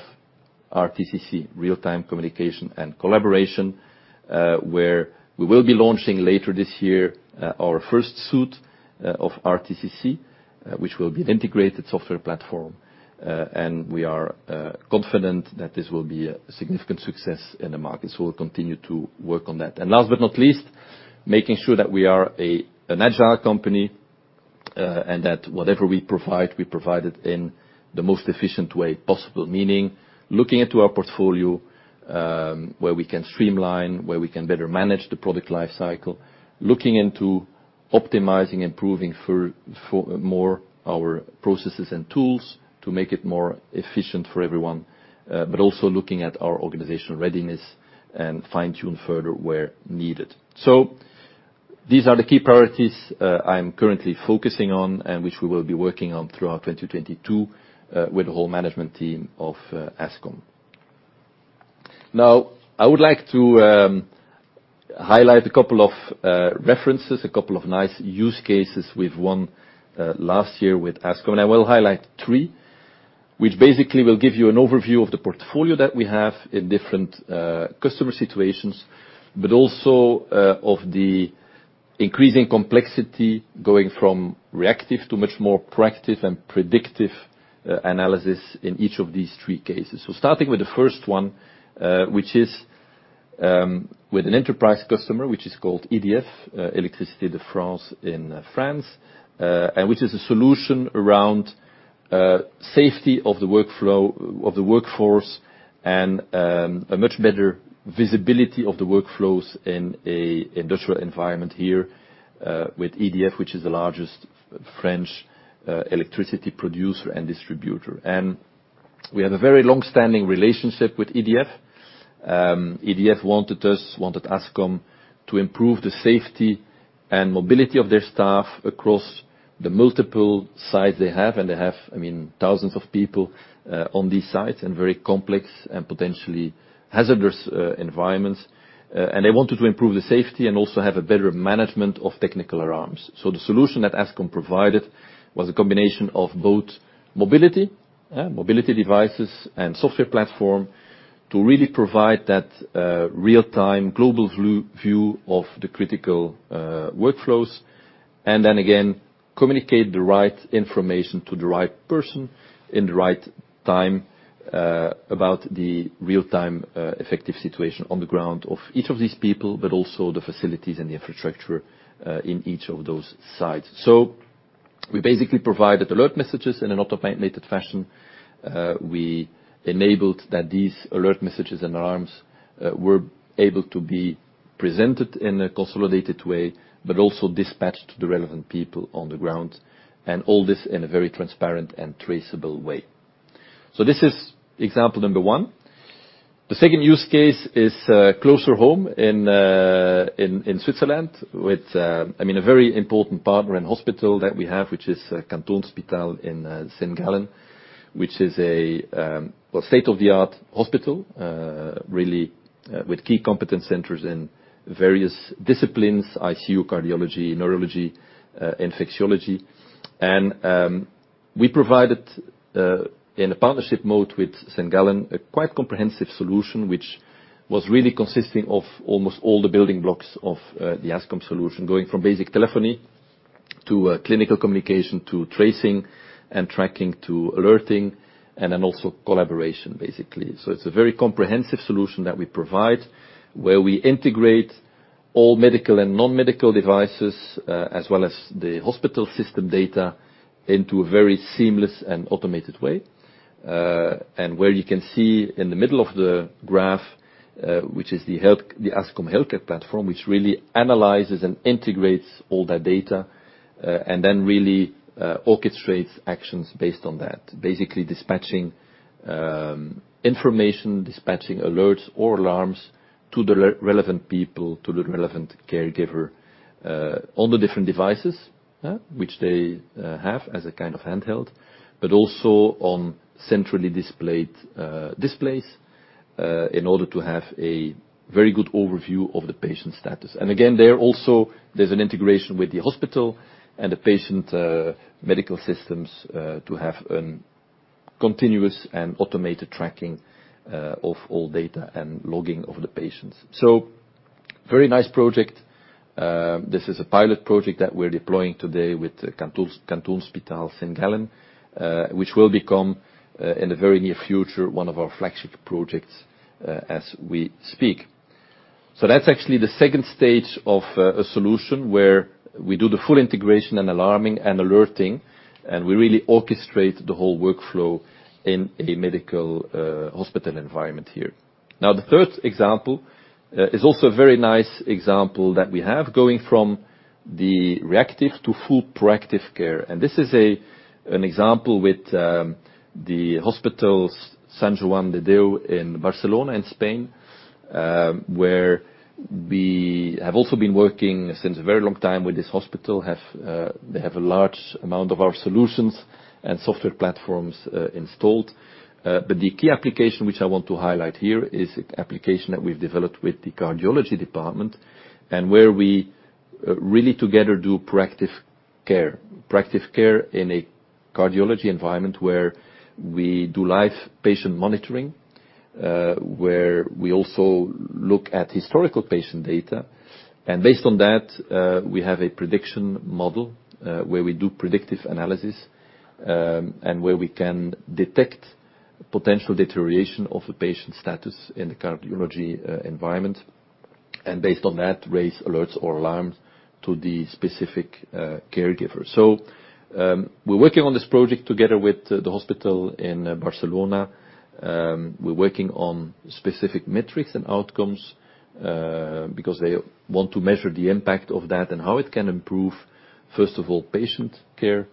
RTCC, Real-Time Communication and Collaboration, where we will be launching later this year, our first suite, of RTCC, which will be an integrated software platform. We are confident that this will be a significant success in the market. We'll continue to work on that. Last but not least, making sure that we are an agile company, and that whatever we provide, we provide it in the most efficient way possible. Meaning, looking into our portfolio, where we can streamline, where we can better manage the product life cycle. Looking into optimizing, improving our processes and tools to make it more efficient for everyone, but also looking at our organizational readiness and fine-tune further where needed. These are the key priorities I'm currently focusing on and which we will be working on throughout 2022, with the whole management team of Ascom. Now, I would like to highlight a couple of references, a couple of nice use cases we've won last year with Ascom. I will highlight three, which basically will give you an overview of the portfolio that we have in different customer situations, but also of the increasing complexity going from reactive to much more proactive and predictive analysis in each of these three cases. Starting with the first one, which is with an enterprise customer, which is called EDF, Électricité de France in France, and which is a solution around safety of the workflow of the workforce and a much better visibility of the workflows in an industrial environment here with EDF, which is the largest French electricity producer and distributor. We have a very long-standing relationship with EDF. EDF wanted Ascom to improve the safety and mobility of their staff across the multiple sites they have, and they have, I mean, thousands of people on these sites and very complex and potentially hazardous environments. They wanted to improve the safety and also have a better management of technical alarms. The solution that Ascom provided was a combination of both mobility devices and software platform to really provide that real-time global view of the critical workflows. Again, communicate the right information to the right person in the right time about the real-time effective situation on the ground of each of these people, but also the facilities and the infrastructure in each of those sites. We basically provided alert messages in an automated fashion. We enabled that these alert messages and alarms were able to be presented in a consolidated way, but also dispatched to the relevant people on the ground, and all this in a very transparent and traceable way. This is example number one. The second use case is closer home in Switzerland with, I mean, a very important partner and hospital that we have, which is Kantonsspital St. Gallen, which is a well state-of-the-art hospital, really, with key competence centers in various disciplines, ICU, cardiology, neurology, infectiology. We provided in a partnership mode with St. Gallen, a quite comprehensive solution, which was really consisting of almost all the building blocks of the Ascom solution, going from basic telephony to clinical communication, to tracing and tracking, to alerting, and then also collaboration, basically. It's a very comprehensive solution that we provide, where we integrate all medical and non-medical devices, as well as the hospital system data into a very seamless and automated way. Where you can see in the middle of the graph, which is the Ascom Healthcare Platform, which really analyzes and integrates all that data, and then really orchestrates actions based on that, basically dispatching information, dispatching alerts or alarms to the relevant people, to the relevant caregiver, on the different devices, which they have as a kind of handheld, but also on centrally displayed displays, in order to have a very good overview of the patient status. Again, there also there's an integration with the hospital and the patient medical systems, to have a continuous and automated tracking of all data and logging of the patients. Very nice project. This is a pilot project that we're deploying today with Kantonsspital St. Gallen. Gallen, which will become in the very near future, one of our flagship projects, as we speak. That's actually the second stage of a solution where we do the full integration and alarming and alerting, and we really orchestrate the whole workflow in a medical hospital environment here. Now, the third example is also a very nice example that we have going from the reactive to full proactive care. This is an example with the hospital Sant Joan de Déu in Barcelona, in Spain, where we have also been working since a very long time with this hospital. They have a large amount of our solutions and software platforms installed. The key application which I want to highlight here is an application that we've developed with the cardiology department and where we really together do proactive care. Proactive care in a cardiology environment where we do live patient monitoring, where we also look at historical patient data. Based on that, we have a prediction model, where we do predictive analysis, and where we can detect potential deterioration of a patient status in the cardiology environment, and based on that, raise alerts or alarms to the specific caregiver. We're working on this project together with the hospital in Barcelona. We're working on specific metrics and outcomes, because they want to measure the impact of that and how it can improve, first of all, patient care,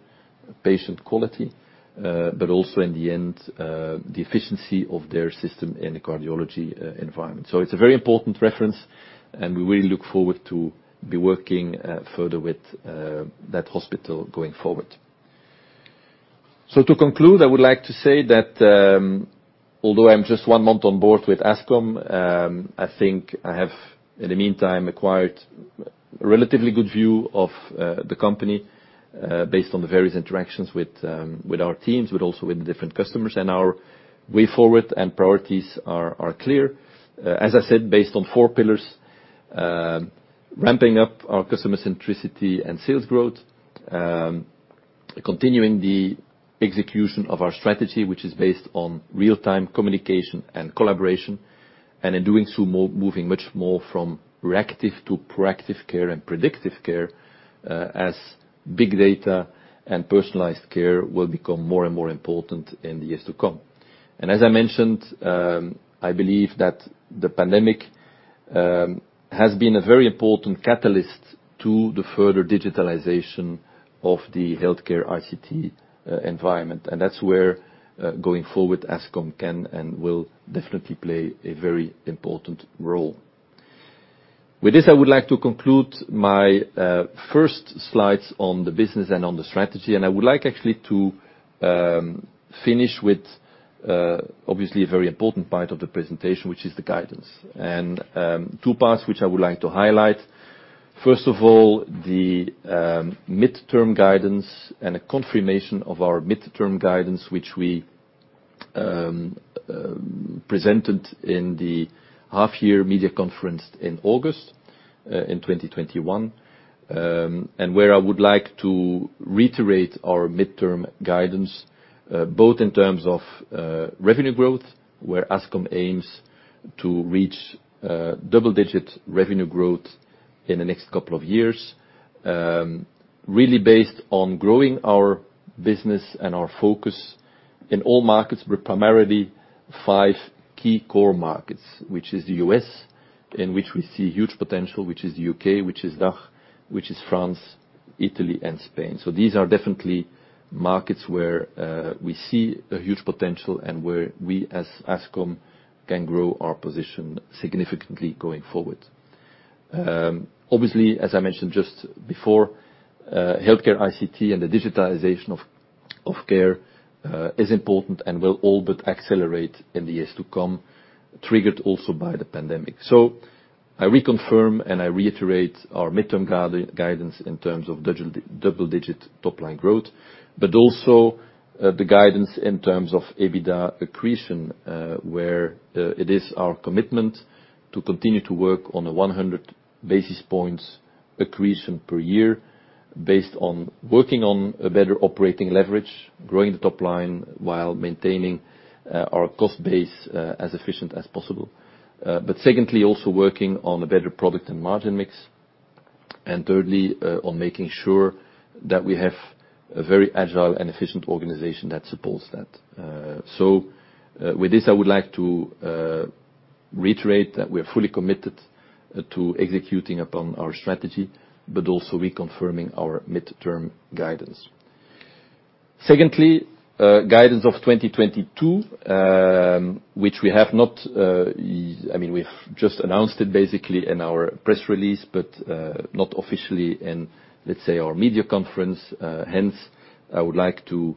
patient quality, but also in the end, the efficiency of their system in the cardiology environment. It's a very important reference, and we really look forward to be working further with that hospital going forward. To conclude, I would like to say that, although I'm just one month on board with Ascom, I think I have, in the meantime, acquired relatively good view of the company, based on the various interactions with our teams, but also with the different customers. Our way forward and priorities are clear. As I said, based on four pillars, ramping up our customer centricity and sales growth, continuing the execution of our strategy, which is based on real-time communication and collaboration, and in doing so, moving much more from reactive to proactive care and predictive care, as big data and personalized care will become more and more important in the years to come. As I mentioned, I believe that the pandemic has been a very important catalyst to the further digitalization of the healthcare ICT environment. That's where, going forward, Ascom can and will definitely play a very important role. With this, I would like to conclude my first slides on the business and on the strategy. I would like actually to finish with, obviously a very important part of the presentation, which is the guidance. Two parts, which I would like to highlight. First of all, the midterm guidance and a confirmation of our midterm guidance, which we presented in the half-year media conference in August 2021, where I would like to reiterate our midterm guidance both in terms of revenue growth, where Ascom aims to reach double-digit revenue growth in the next couple of years. Really based on growing our business and our focus in all markets, but primarily five key core markets, which is the U.S., in which we see huge potential, which is the U.K., which is DACH, which is France, Italy and Spain. These are definitely markets where we see a huge potential and where we as Ascom can grow our position significantly going forward. Obviously, as I mentioned just before, healthcare ICT and the digitalization of care is important and will all but accelerate in the years to come, triggered also by the pandemic. I reconfirm and I reiterate our midterm guidance in terms of double digit top line growth, but also the guidance in terms of EBITDA accretion, where it is our commitment to continue to work on a 100 basis points accretion per year based on working on a better operating leverage, growing the top line while maintaining our cost base as efficient as possible. Secondly, also working on a better product and margin mix, and thirdly on making sure that we have a very agile and efficient organization that supports that. With this, I would like to reiterate that we are fully committed to executing upon our strategy, but also reconfirming our mid-term guidance. Secondly, guidance for 2022, which we have not, I mean, we've just announced it basically in our press release, but not officially in, let's say, our media conference. Hence, I would like to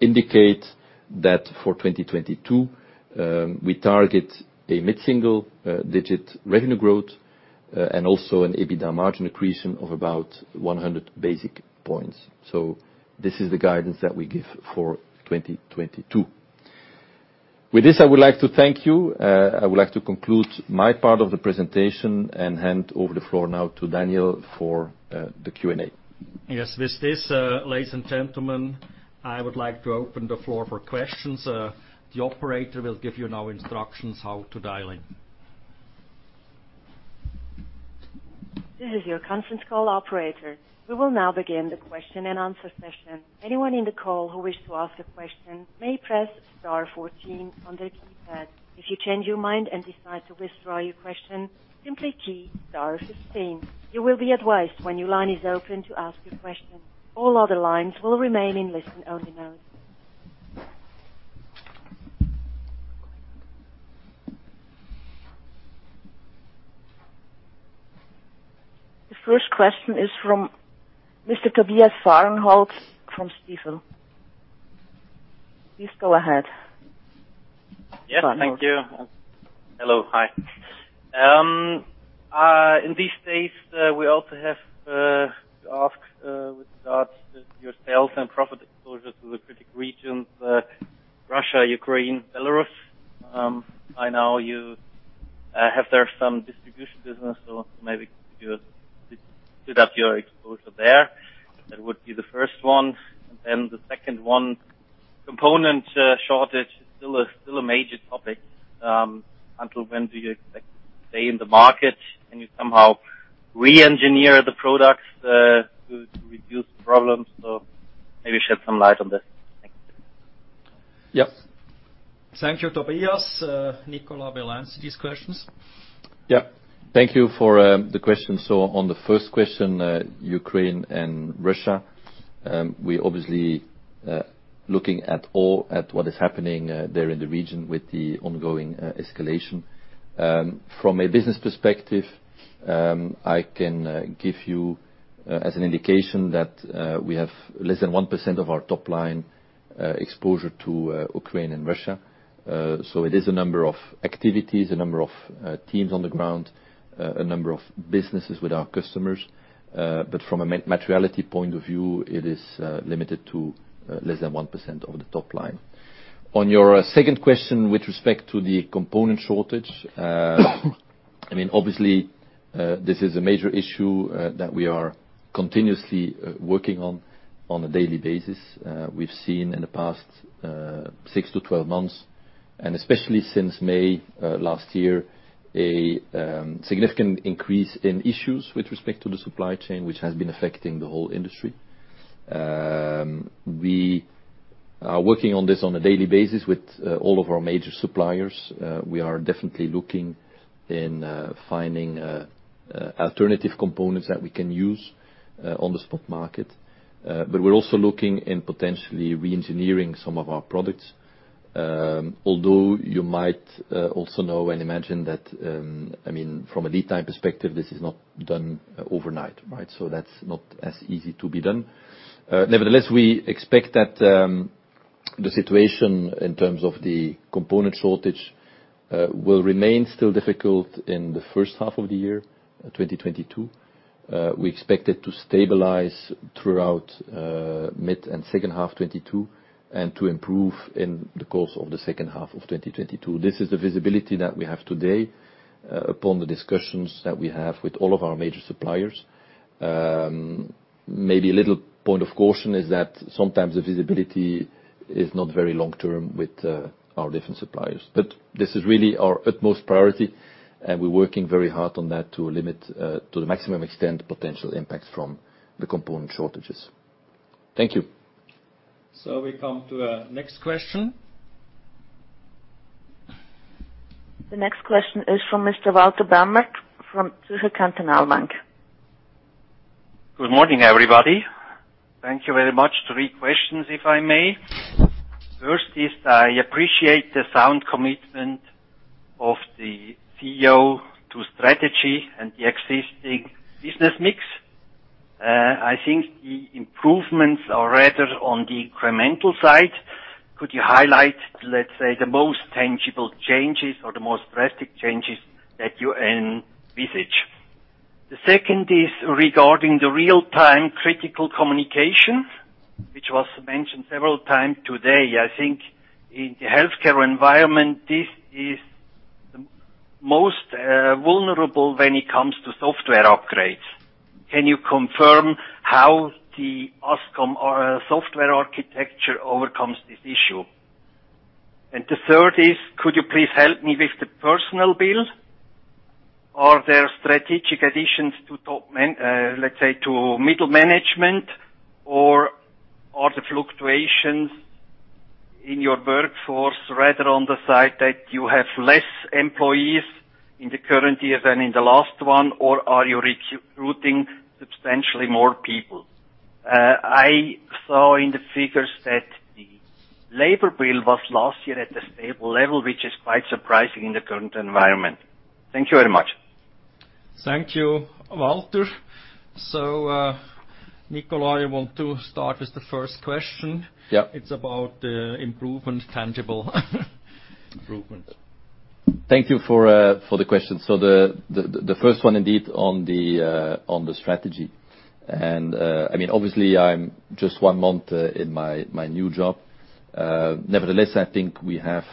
indicate that for 2022, we target a mid-single digit revenue growth and also an EBITDA margin accretion of about 100 basis points. This is the guidance that we give for 2022. With this, I would like to thank you. I would like to conclude my part of the presentation and hand over the floor now to Daniel for the Q&A. Yes. With this, ladies and gentlemen, I would like to open the floor for questions. The operator will give you now instructions how to dial in. This is your Conference Call operator. We will now begin the question and answer session. Anyone in the call who wish to ask a question may press star 14 on their keypad. If you change your mind and decide to withdraw your question, simply key star 15. You will be advised when your line is open to ask your question. All other lines will remain in listen only mode. The first question is from Mr. Tobias Fahrenholz from Stifel. Please go ahead. Yes, thank you. Hello. Hi. In these days, we also have to ask with regards to your sales and profit exposure to the critical regions, Russia, Ukraine, Belarus. By now, you have there some distribution business, so maybe could you split up your exposure there? That would be the first one. Then the second one, component shortage is still a major topic, until when do you expect to stay in the market? Can you somehow re-engineer the products to reduce the problems? Maybe shed some light on this. Thank you. Yep. Thank you, Tobias. Nicolas will answer these questions. Yeah. Thank you for the question. On the first question, Ukraine and Russia, we're obviously looking at what is happening there in the region with the ongoing escalation. From a business perspective, I can give you as an indication that we have less than 1% of our top line exposure to Ukraine and Russia. It is a number of activities, a number of teams on the ground, a number of businesses with our customers. From a materiality point of view, it is limited to less than 1% of the top line. On your second question with respect to the component shortage, I mean, obviously, this is a major issue that we are continuously working on a daily basis. We've seen in the past six to 12 months, and especially since May last year, a significant increase in issues with respect to the supply chain, which has been affecting the whole industry. We are working on this on a daily basis with all of our major suppliers. We are definitely looking into finding alternative components that we can use on the spot market. But we're also looking into potentially re-engineering some of our products. Although you might also know and imagine that, I mean, from a lead time perspective, this is not done overnight, right? That's not as easy to be done. Nevertheless, we expect that the situation in terms of the component shortage will remain still difficult in the H1 of the year 2022. We expect it to stabilize throughout mid- and second-half 2022, and to improve in the course of the H2 of 2022. This is the visibility that we have today, upon the discussions that we have with all of our major suppliers. Maybe a little point of caution is that sometimes the visibility is not very long-term with our different suppliers. This is really our utmost priority, and we're working very hard on that to limit to the maximum extent potential impacts from the component shortages. Thank you. We come to our next question. The next question is from Mr. Walter Bamert from Zürcher Kantonalbank. Good morning, everybody. Thank you very much. Three questions, if I may. First is I appreciate the sound commitment of the CEO to strategy and the existing business mix. I think the improvements are rather on the incremental side. Could you highlight, let's say, the most tangible changes or the most drastic changes that you envisage? The second is regarding the real-time critical communication, which was mentioned several times today. I think in the healthcare environment, this is the most vulnerable when it comes to software upgrades. Can you confirm how the Ascom software architecture overcomes this issue? The third is, could you please help me with the P&L? Are there strategic additions to middle management, or are the fluctuations in your workforce rather on the side that you have less employees in the current year than in the last one, or are you recruiting substantially more people? I saw in the figures that the labor bill was last year at a stable level, which is quite surprising in the current environment. Thank you very much. Thank you, Walter. Nicolas, you want to start with the first question? Yep. It's about improvement, tangible improvement. Thank you for the question. The first one, indeed, on the strategy. I mean, obviously, I'm just one month in my new job. Nevertheless, I think we have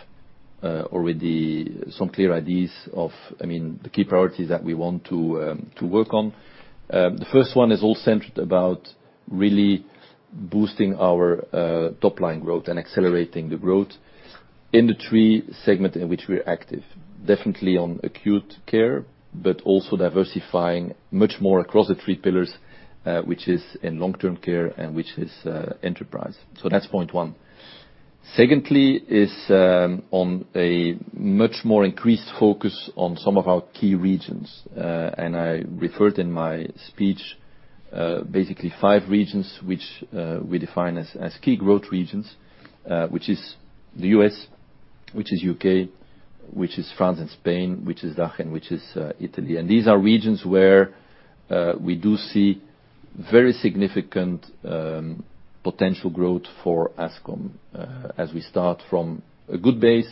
already some clear ideas of, I mean, the key priorities that we want to work on. The first one is all centered about really boosting our top-line growth and accelerating the growth in the three segments in which we're active. Definitely on acute care, but also diversifying much more across the three pillars, which is in long-term care and which is enterprise. That's point one. Secondly is on a much more increased focus on some of our key regions. I referred in my speech basically five regions which we define as key growth regions. Which is the U.S., which is U.K., which is France and Spain, which is DACH, and which is Italy. These are regions where we do see very significant potential growth for Ascom as we start from a good base,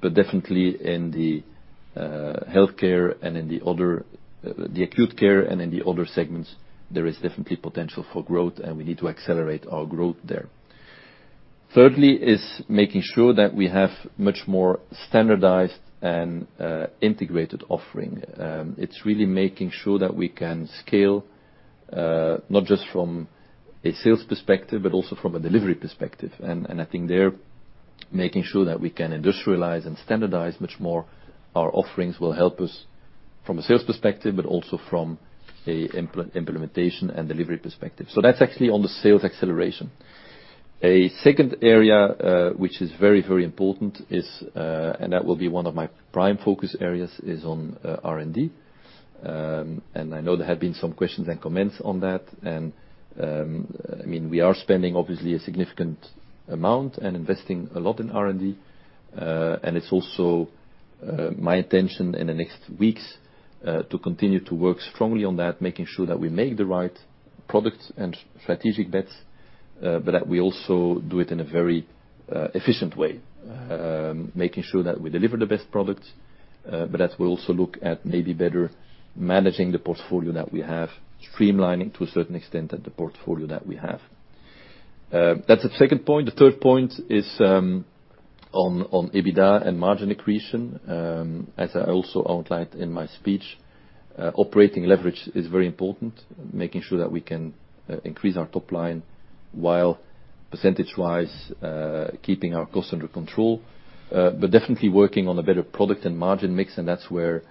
but definitely in the healthcare and in the other the acute care and in the other segments, there is definitely potential for growth, and we need to accelerate our growth there. Thirdly is making sure that we have much more standardized and integrated offering. It's really making sure that we can scale not just from a sales perspective, but also from a delivery perspective. I think there, making sure that we can industrialize and standardize much more our offerings will help us from a sales perspective, but also from a implementation and delivery perspective. That's actually on the sales acceleration. A second area, which is very, very important, and that will be one of my prime focus areas, is on R&D. I know there have been some questions and comments on that. I mean, we are spending obviously a significant amount and investing a lot in R&D. It's also my intention in the next weeks to continue to work strongly on that, making sure that we make the right product and strategic bets, but that we also do it in a very efficient way, making sure that we deliver the best products, but that we also look at maybe better managing the portfolio that we have, streamlining to a certain extent the portfolio that we have. That's the second point. The third point is on EBITDA and margin accretion. As I also outlined in my speech, operating leverage is very important, making sure that we can increase our top line while percentage-wise keeping our costs under control. But definitely working on a better product and margin mix, and that's where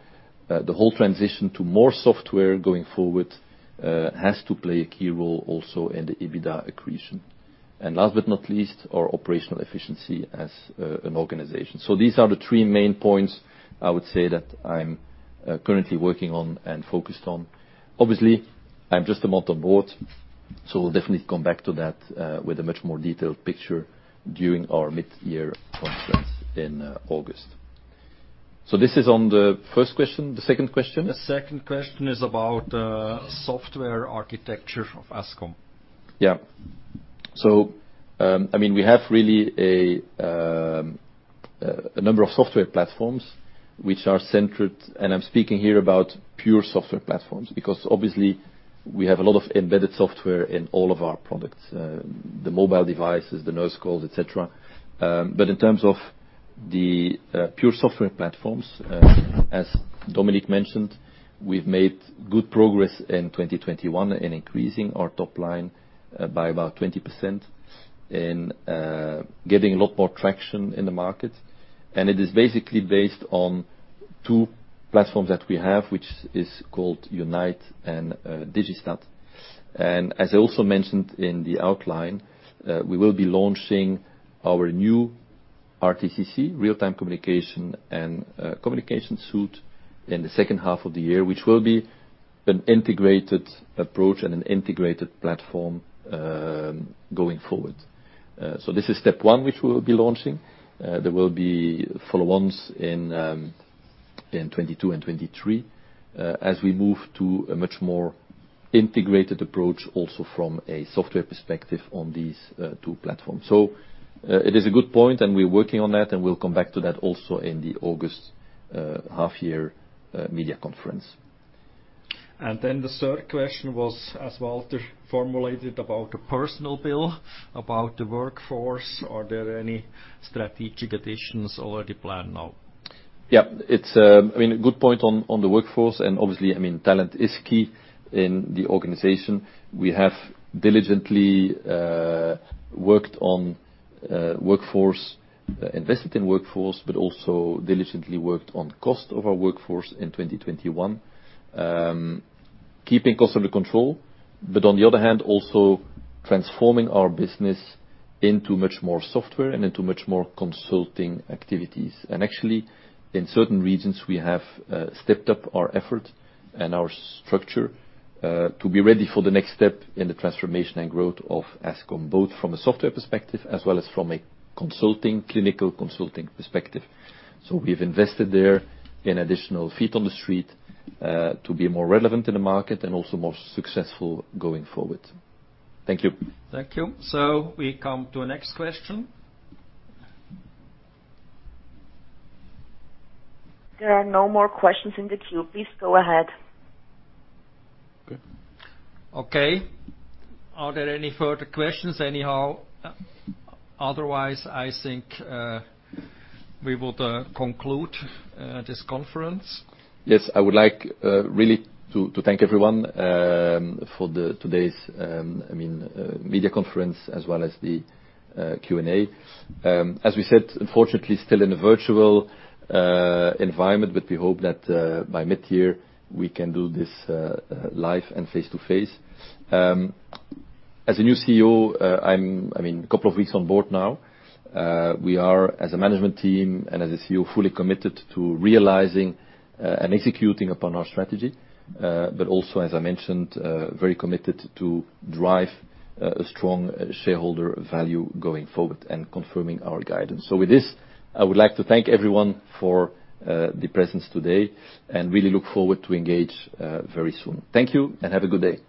the whole transition to more software going forward has to play a key role also in the EBITDA accretion. Last but not least, our operational efficiency as an organization. These are the three main points I would say that I'm currently working on and focused on. Obviously, I'm just a month on board, so we'll definitely come back to that with a much more detailed picture during our midyear conference in August. This is on the first question. The second question? The second question is about software architecture of Ascom. Yeah. I mean, we have really a number of software platforms which are centered. I'm speaking here about pure software platforms, because obviously we have a lot of embedded software in all of our products, the mobile devices, the Nurse Call, et cetera. In terms of the pure software platforms, as Dominik mentioned, we've made good progress in 2021 in increasing our top line by about 20% and getting a lot more traction in the market. It is basically based on two platforms that we have, which is called Unite and Digistat. As I also mentioned in the outline, we will be launching our new RTCC, real-time communication and communication suite in the H2 of the year, which will be an integrated approach and an integrated platform going forward. This is step one, which we'll be launching. There will be follow-ons in 2022 and 2023, as we move to a much more integrated approach also from a software perspective on these two platforms. It is a good point, and we're working on that, and we'll come back to that also in the August half-year media conference. The third question was, as Walter formulated about the personnel bill, about the workforce. Are there any strategic additions already planned now? Yeah. It's, I mean, a good point on the workforce, and obviously, I mean, talent is key in the organization. We have diligently worked on workforce, invested in workforce, but also diligently worked on cost of our workforce in 2021. Keeping costs under control, but on the other hand, also transforming our business into much more software and into much more consulting activities. Actually, in certain regions, we have stepped up our effort and our structure to be ready for the next step in the transformation and growth of Ascom, both from a software perspective as well as from a consulting, clinical consulting perspective. We've invested there in additional feet on the street to be more relevant in the market and also more successful going forward. Thank you. Thank you. We come to our next question. There are no more questions in the queue. Please go ahead. Okay. Okay. Are there any further questions anyhow? Otherwise, I think we would conclude this conference. Yes. I would like really to thank everyone for today's media conference as well as the Q&A. As we said, unfortunately, still in a virtual environment, but we hope that by mid-year, we can do this live and face-to-face. As a new CEO, I mean, a couple of weeks on board now, we are, as a management team and as a CEO, fully committed to realizing and executing upon our strategy, but also, as I mentioned, very committed to drive a strong shareholder value going forward and confirming our guidance. With this, I would like to thank everyone for the presence today and really look forward to engage very soon. Thank you, and have a good day.